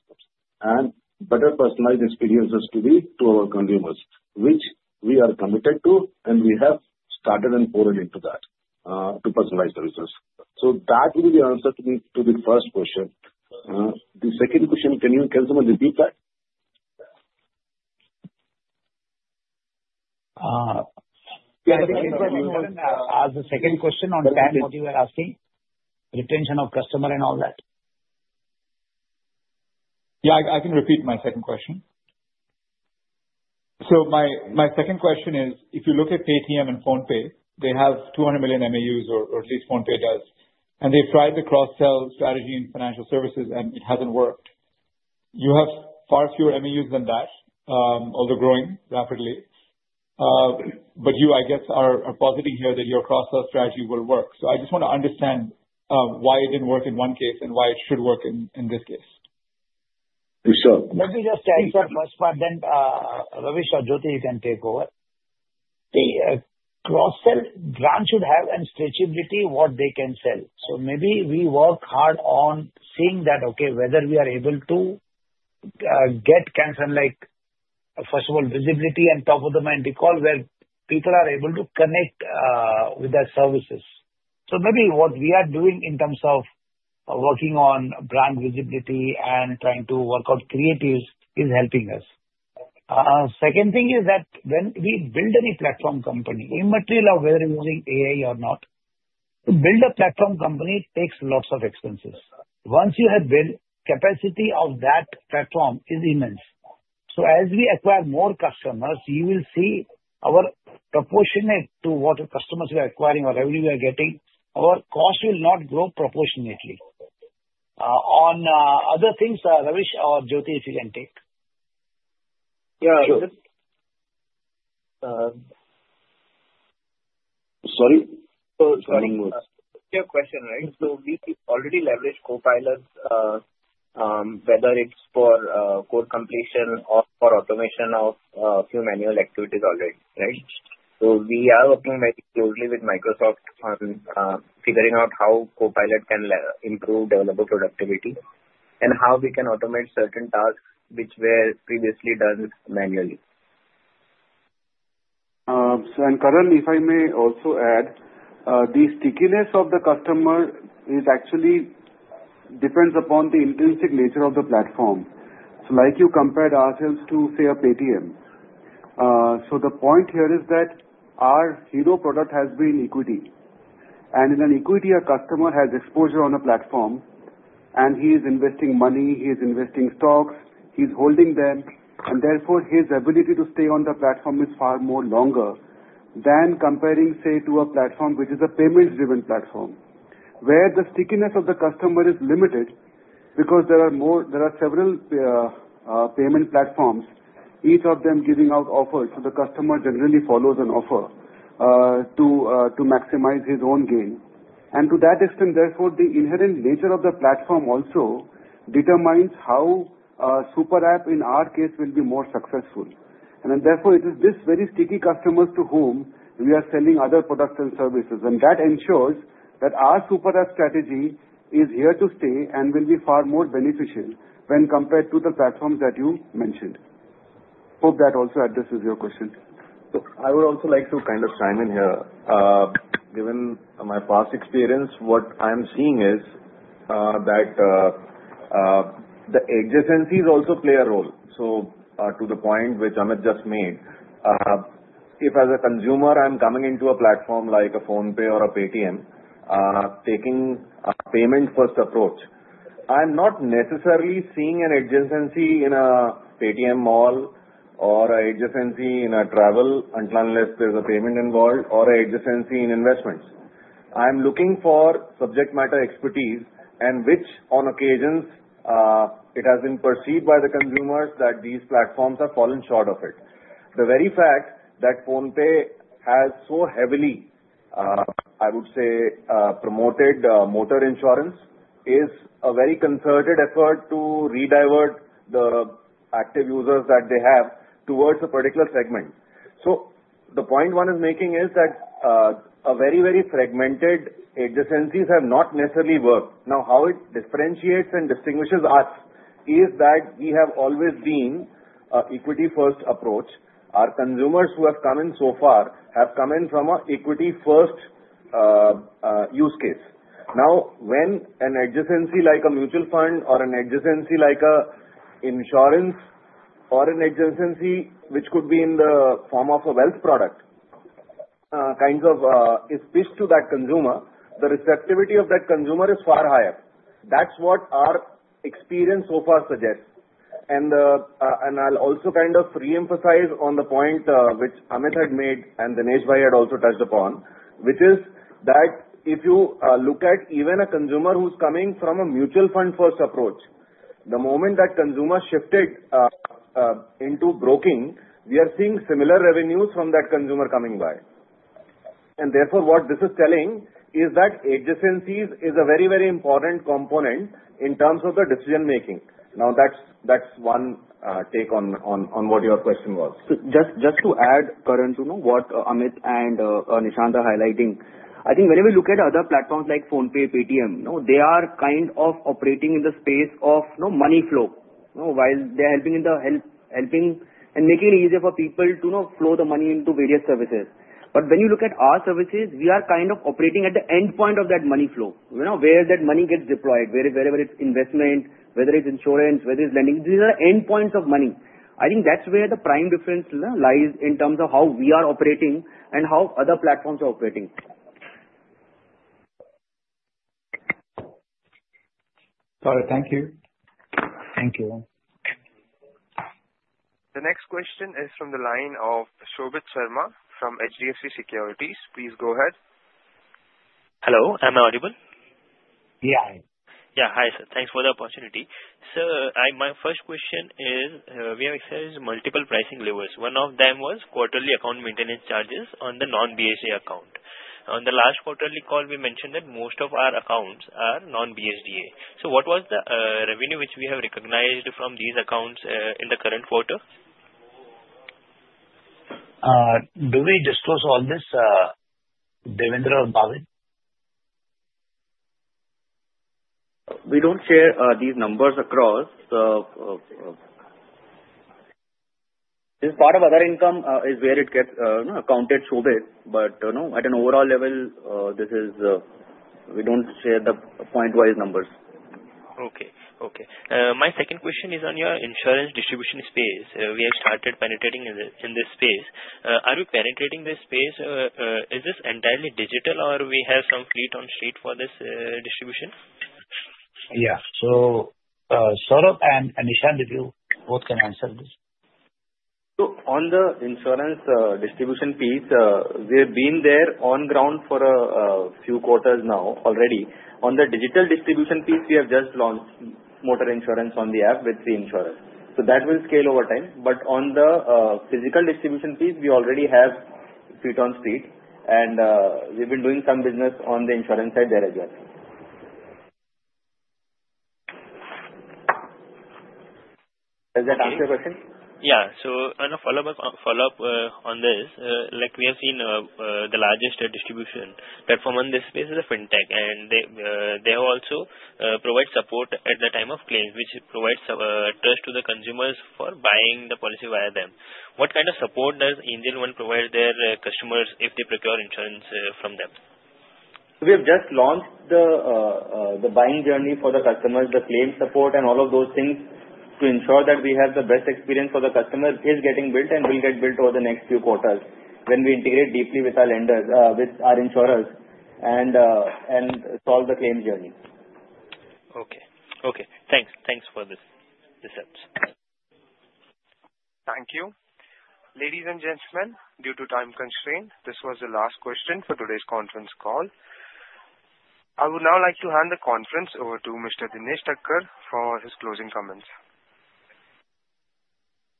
and better personalized experiences to our consumers, which we are committed to, and we have started and poured into that to personalize services. So that would be the answer to the first question. The second question, can you gentlemen repeat that? Yeah. I think as a second question on TAM, what you were asking, retention of customer and all that. Yeah. I can repeat my second question, so my second question is, if you look at Paytm and PhonePe, they have 200 million MAUs, or at least PhonePe does. And they've tried the cross-sell strategy in financial services, and it hasn't worked. You have far fewer MAUs than that, although growing rapidly, but you, I guess, are positing here that your cross-sell strategy will work. So I just want to understand why it didn't work in one case and why it should work in this case. Let me just add first, but then Ravish or Jyoti, you can take over. See, cross-sell brand should have a stretchability of what they can sell. So maybe we work hard on seeing that, okay, whether we are able to get kind of, first of all, visibility and top-of-the-mind recall where people are able to connect with their services. So maybe what we are doing in terms of working on brand visibility and trying to work out creatives is helping us. Second thing is that when we build any platform company, immaterial of whether using AI or not, to build a platform company takes lots of expenses. Once you have built, the capacity of that platform is immense. So as we acquire more customers, you will see our proportionate to what customers we are acquiring or revenue we are getting, our cost will not grow proportionately. On other things, Ravish or Jyoti, if you can take. Yeah. Sorry? Your question, right? So we already leverage Copilot, whether it's for code completion or for automation of a few manual activities already, right? So we are working very closely with Microsoft on figuring out how Copilot can improve developer productivity and how we can automate certain tasks which were previously done manually. So, and Karan, if I may also add, the stickiness of the customer actually depends upon the intrinsic nature of the platform. So, like you compared ourselves to, say, a Paytm. So the point here is that our hero product has been equity. And in an equity, a customer has exposure on a platform, and he is investing money, he is investing stocks, he's holding them, and therefore his ability to stay on the platform is far more longer than comparing, say, to a platform which is a payments-driven platform, where the stickiness of the customer is limited because there are several payment platforms, each of them giving out offers so the customer generally follows an offer to maximize his own gain. And to that extent, therefore, the inherent nature of the platform also determines how a super app, in our case, will be more successful. And therefore, it is these very sticky customers to whom we are selling other products and services. And that ensures that our super app strategy is here to stay and will be far more beneficial when compared to the platforms that you mentioned. Hope that also addresses your question. I would also like to kind of chime in here. Given my past experience, what I'm seeing is that the adjacencies also play a role. To the point which Amit just made, if as a consumer, I'm coming into a platform like a PhonePe or a Paytm, taking a payment-first approach, I'm not necessarily seeing an adjacency in a Paytm Mall or an adjacency in travel unless there's a payment involved or an adjacency in investments. I'm looking for subject matter expertise, and which on occasions it has been perceived by the consumers that these platforms have fallen short of it. The very fact that PhonePe has so heavily, I would say, promoted motor insurance is a very concerted effort to redirect the active users that they have towards a particular segment. The point one is making is that very, very fragmented adjacencies have not necessarily worked. Now, how it differentiates and distinguishes us is that we have always been an equity-first approach. Our consumers who have come in so far have come in from an equity-first use case. Now, when an adjacency like a mutual fund or an adjacency like an insurance or an adjacency which could be in the form of a wealth product kind of is pitched to that consumer, the receptivity of that consumer is far higher. That's what our experience so far suggests, and I'll also kind of re-emphasize on the point which Amit had made and Dineshbhai had also touched upon, which is that if you look at even a consumer who's coming from a mutual fund-first approach, the moment that consumer shifted into broking, we are seeing similar revenues from that consumer coming by. Therefore, what this is telling is that adjacencies is a very, very important component in terms of the decision-making. Now, that's one take on what your question was. So just to add, Karan, to what Amit and Nishant are highlighting, I think whenever we look at other platforms like PhonePe, Paytm, they are kind of operating in the space of money flow while they're helping and making it easier for people to flow the money into various services. But when you look at our services, we are kind of operating at the end point of that money flow, where that money gets deployed, wherever it's investment, whether it's insurance, whether it's lending. These are end points of money. I think that's where the prime difference lies in terms of how we are operating and how other platforms are operating. Sorry. Thank you. Thank you. The next question is from the line of Shobith Singhal from HDFC Securities. Please go ahead. Hello. Am I audible? Yeah. Yeah. Hi, sir. Thanks for the opportunity. So my first question is, we have accessed multiple pricing levers. One of them was quarterly account maintenance charges on the non-BSDA account. On the last quarterly call, we mentioned that most of our accounts are non-BSDA. So what was the revenue which we have recognized from these accounts in the current quarter? Do we disclose all this, Devender or Bhavin? We don't share these numbers across. This part of other income is where it gets accounted, Shobith. But at an overall level, we don't share the point-wise numbers. Okay. My second question is on your insurance distribution space. We have started penetrating in this space. Are we penetrating this space? Is this entirely digital, or do we have some fleet on street for this distribution? Yeah. So sort of Nishant, if you both can answer this. On the insurance distribution piece, we have been there on ground for a few quarters now already. On the digital distribution piece, we have just launched motor insurance on the app with the insurer. That will scale over time. On the physical distribution piece, we already have fleet on street, and we've been doing some business on the insurance side there as well. Does that answer your question? Yeah. So a follow-up on this. We have seen the largest distribution platform on this space is Fintech, and they also provide support at the time of claim, which provides trust to the consumers for buying the policy via them. What kind of support does Angel One provide their customers if they procure insurance from them? So, we have just launched the buying journey for the customers, the claim support, and all of those things to ensure that we have the best experience for the customer. This is getting built and will get built over the next few quarters when we integrate deeply with our lenders, with our insurers, and solve the claim journey. Okay. Thanks for this help. Thank you. Ladies and gentlemen, due to time constraint, this was the last question for today's conference call. I would now like to hand the conference over to Mr. Dinesh Thakkar for his closing comments.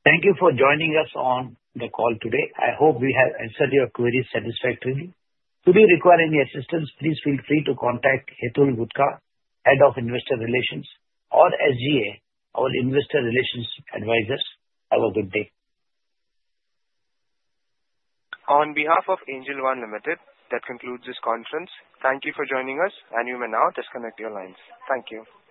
Thank you for joining us on the call today. I hope we have answered your queries satisfactorily. If you require any assistance, please feel free to contact Hetul Gutka, Head of Investor Relations, or SGA, our investor relations advisors. Have a good day. On behalf of Angel One Limited, that concludes this conference. Thank you for joining us, and you may now disconnect your lines. Thank you.